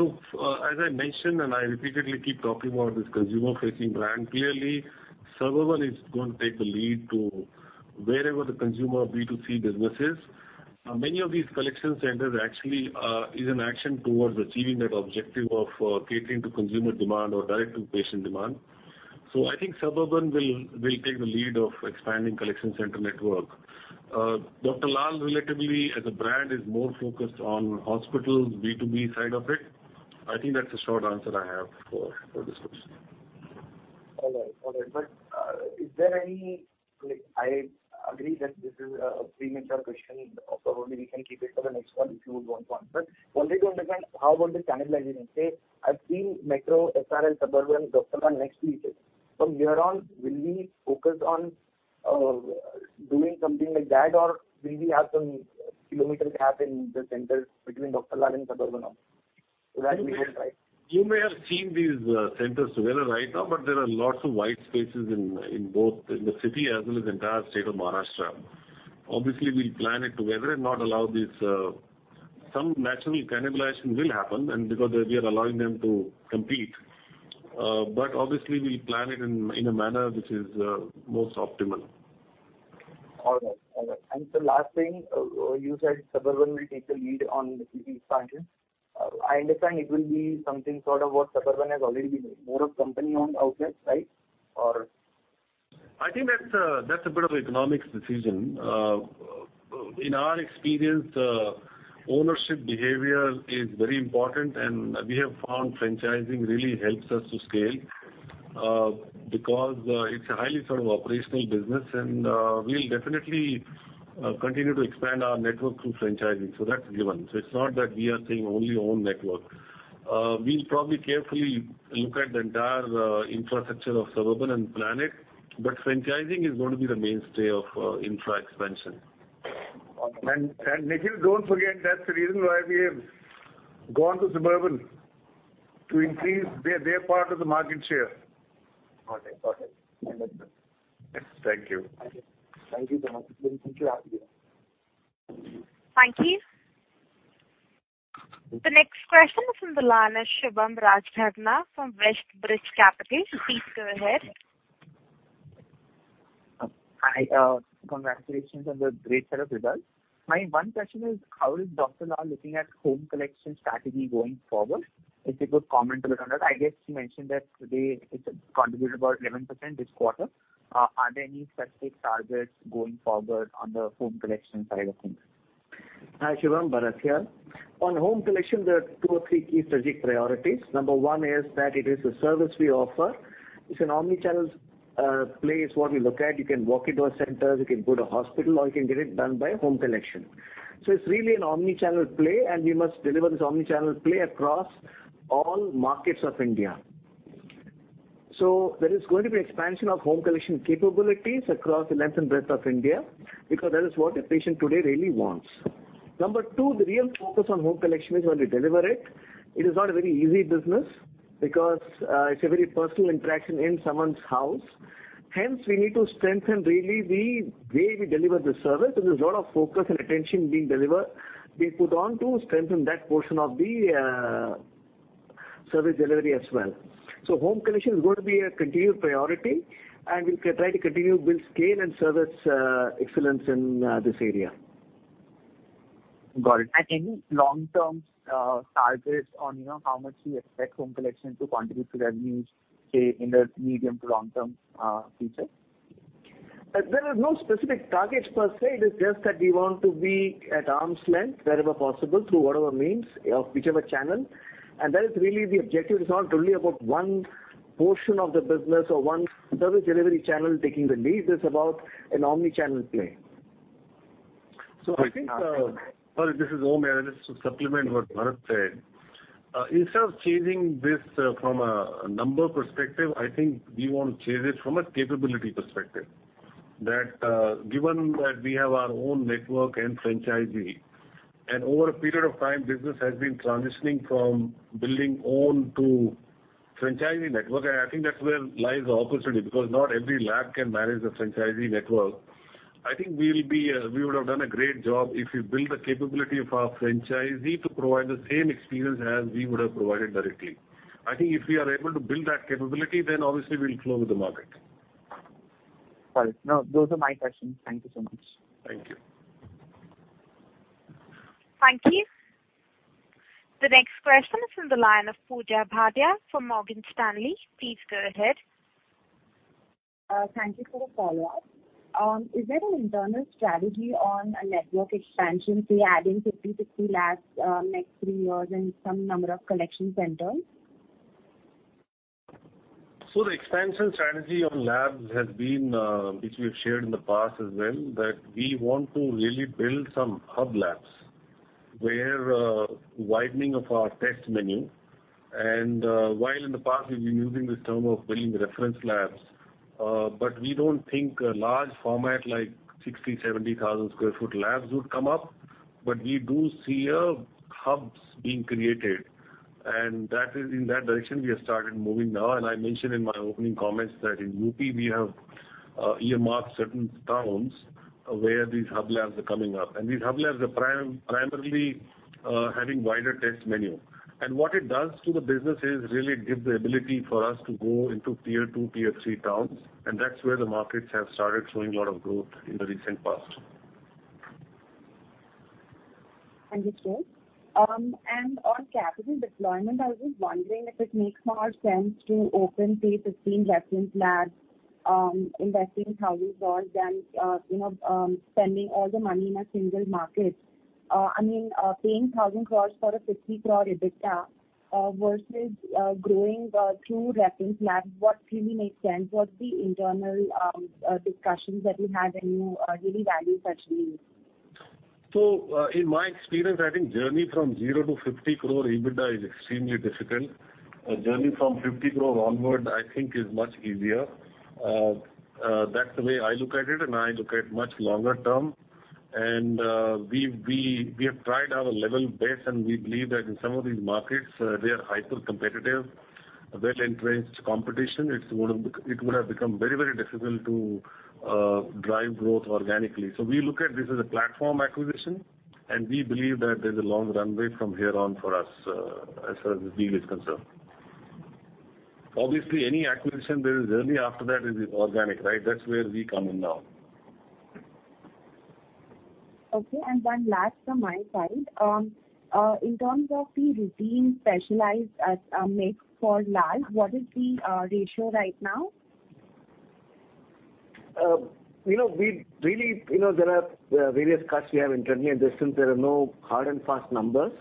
As I mentioned, and I repeatedly keep talking about this consumer-facing brand, clearly Suburban is going to take the lead to wherever the consumer B2C business is. Many of these collection centers actually is an action towards achieving that objective of catering to consumer demand or direct to patient demand. I think Suburban will take the lead of expanding collection center network. Dr. Lal relatively as a brand is more focused on hospitals, B2B side of it. I think that's the short answer I have for this question. All right. Is there any? Like, I agree that this is a premature question. Probably we can keep it for the next call if you would want one. Wanted to understand how about the cannibalization? Say, I've seen Metro, SRL, Suburban, Dr. Lal next to each other. From here on, will we focus on doing something like that, or will we have some kilometer gap in the centers between Dr. Lal and Suburban now so that we don't fight? You may have seen these centers together right now, but there are lots of white spaces in both in the city as well as entire state of Maharashtra. Obviously, we'll plan it together and not allow these. Some natural cannibalization will happen, and because we are allowing them to compete. Obviously we'll plan it in a manner which is most optimal. All right. The last thing, you said Suburban will take the lead on CC expansion. I understand it will be something sort of what Suburban has already been doing, more of company-owned outlets, right? Or I think that's a bit of economics decision. In our experience, ownership behavior is very important, and we have found franchising really helps us to scale, because it's a highly sort of operational business and we'll definitely continue to expand our network through franchising, so that's given. It's not that we are saying only own network. We'll probably carefully look at the entire infrastructure of Suburban and plan it, but franchising is going to be the mainstay of infra expansion. Nikhil, don't forget that's the reason why we have gone to Suburban, to increase their part of the market share. Got it. I understand. Thank you. Thank you. Thank you so much. Thank you. Thank you. The next question is from the line of Subham Rajgaria from WestBridge Capital. Please go ahead. Hi. Congratulations on the great set of results. My one question is, how is Dr. Lal looking at home collection strategy going forward? If you could comment a little on that. I guess you mentioned that to date it contributed about 11% this quarter. Are there any specific targets going forward on the home collection side of things? Hi, Subham. Bharath here. On home collection, there are two or three key strategic priorities. Number one is that it is a service we offer. It's an omnichannel play what we look at. You can walk into our centers, you can go to hospital, or you can get it done by home collection. It's really an omnichannel play, and we must deliver this omnichannel play across all markets of India. There is going to be expansion of home collection capabilities across the length and breadth of India, because that is what a patient today really wants. Number two, the real focus on home collection is when we deliver it. It is not a very easy business, because it's a very personal interaction in someone's house. Hence, we need to strengthen really the way we deliver the service. There is a lot of focus and attention being put on to strengthen that portion of the service delivery as well. Home collection is going to be a continued priority, and we'll try to continue build scale and service excellence in this area. Got it. Any long-term targets on, you know, how much you expect home collection to contribute to revenues, say, in the medium to long-term future? There are no specific targets per se. It is just that we want to be at arm's length wherever possible, through whatever means of whichever channel. That is really the objective. It's not only about one portion of the business or one service delivery channel taking the lead. It's about an omni-channel play. Okay. I think, sorry, this is Om here, just to supplement what Bharat said. Instead of changing this from a number perspective, I think we want to change it from a capability perspective. That, given that we have our own network and franchisee, and over a period of time, business has been transitioning from building own to franchisee network, I think that's where lies the opportunity, because not every lab can manage the franchisee network. I think we'll be, we would have done a great job if we build the capability of our franchisee to provide the same experience as we would have provided directly. I think if we are able to build that capability, then obviously we'll grow with the market. Got it. No, those are my questions. Thank you so much. Thank you. Thank you. The next question is from the line of Pooja Bhatia from Morgan Stanley. Please go ahead. Thank you for the follow-up. Is there an internal strategy on a network expansion, say, adding 50-60 labs next 3 years and some number of collection centers? The expansion strategy on labs has been, which we have shared in the past as well, that we want to really build some hub labs where widening of our test menu. While in the past, we've been using this term of building reference labs, but we don't think a large format like 60,000-70,000 sq ft labs would come up. We do see hubs being created, and that is in that direction we have started moving now. I mentioned in my opening comments that in UP we have earmarked certain towns where these hub labs are coming up. These hub labs are primarily having wider test menu. What it does to the business is really give the ability for us to go into tier two, tier three towns, and that's where the markets have started showing a lot of growth in the recent past. Understood. On capital deployment, I was just wondering if it makes more sense to open, say, 15 reference labs, investing INR 1,000 crore than, you know, spending all the money in a single market. I mean, paying 1,000 crore for a 50 crore EBITDA, versus growing through reference labs, what really makes sense? What's the internal discussions that you had and you really value such deals? In my experience, I think journey from 0 to 50 crore EBITDA is extremely difficult. A journey from 50 crore onward, I think is much easier. That's the way I look at it, and I look at much longer term. We have tried our level best, and we believe that in some of these markets, they are hyper competitive, well-entrenched competition. It would have become very, very difficult to drive growth organically. We look at this as a platform acquisition, and we believe that there's a long runway from here on for us, as far as this deal is concerned. Obviously, any acquisition, there is learning. After that, it is organic, right? That's where we come in now. Okay. One last from my side. In terms of the routine specialized mix for labs, what is the ratio right now? You know, we really, you know, there are various cuts we have internally and there since there are no hard and fast numbers.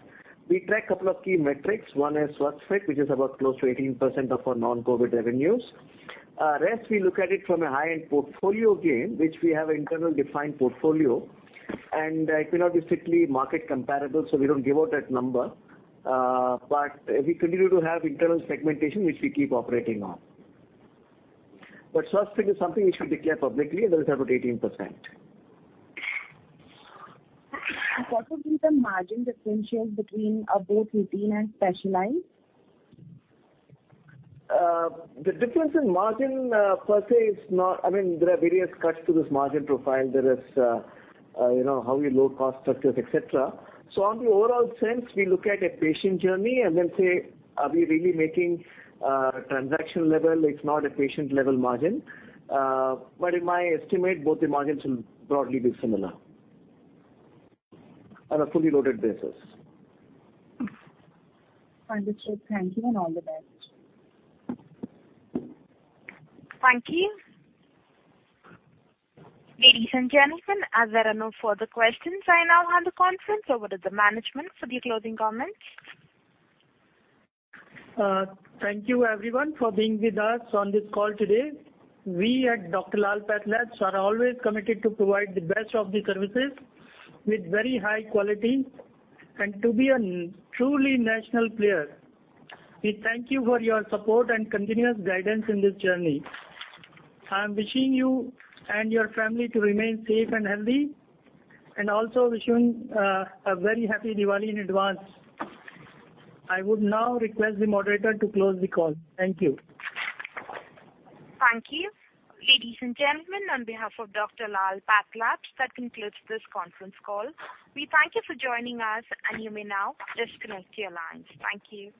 We track a couple of key metrics. One is Swasthfit, which is about close to 18% of our non-COVID revenues. Rest, we look at it from a high-end portfolio gain, which we have internal defined portfolio, and it cannot be strictly market comparable, so we don't give out that number. We continue to have internal segmentation, which we keep operating on. Swasthfit is something we should declare publicly, and that is about 18%. What would be the margin differentials between both routine and specialized? The difference in margin per se is not. I mean, there are various cuts to this margin profile. There is, you know, how we load cost structures, et cetera. On the overall sense, we look at a patient journey and then say, are we really making a transaction level? It's not a patient level margin. In my estimate, both the margins will broadly be similar on a fully loaded basis. Understood. Thank you, and all the best. Thank you. Ladies and gentlemen, as there are no further questions, I now hand the conference over to the management for the closing comments. Thank you everyone for being with us on this call today. We at Dr. Lal PathLabs are always committed to provide the best of the services with very high quality and to be a truly national player. We thank you for your support and continuous guidance in this journey. I'm wishing you and your family to remain safe and healthy, and also wishing a very happy Diwali in advance. I would now request the moderator to close the call. Thank you. Thank you. Ladies and gentlemen, on behalf of Dr. Lal PathLabs, that concludes this conference call. We thank you for joining us, and you may now disconnect your lines. Thank you.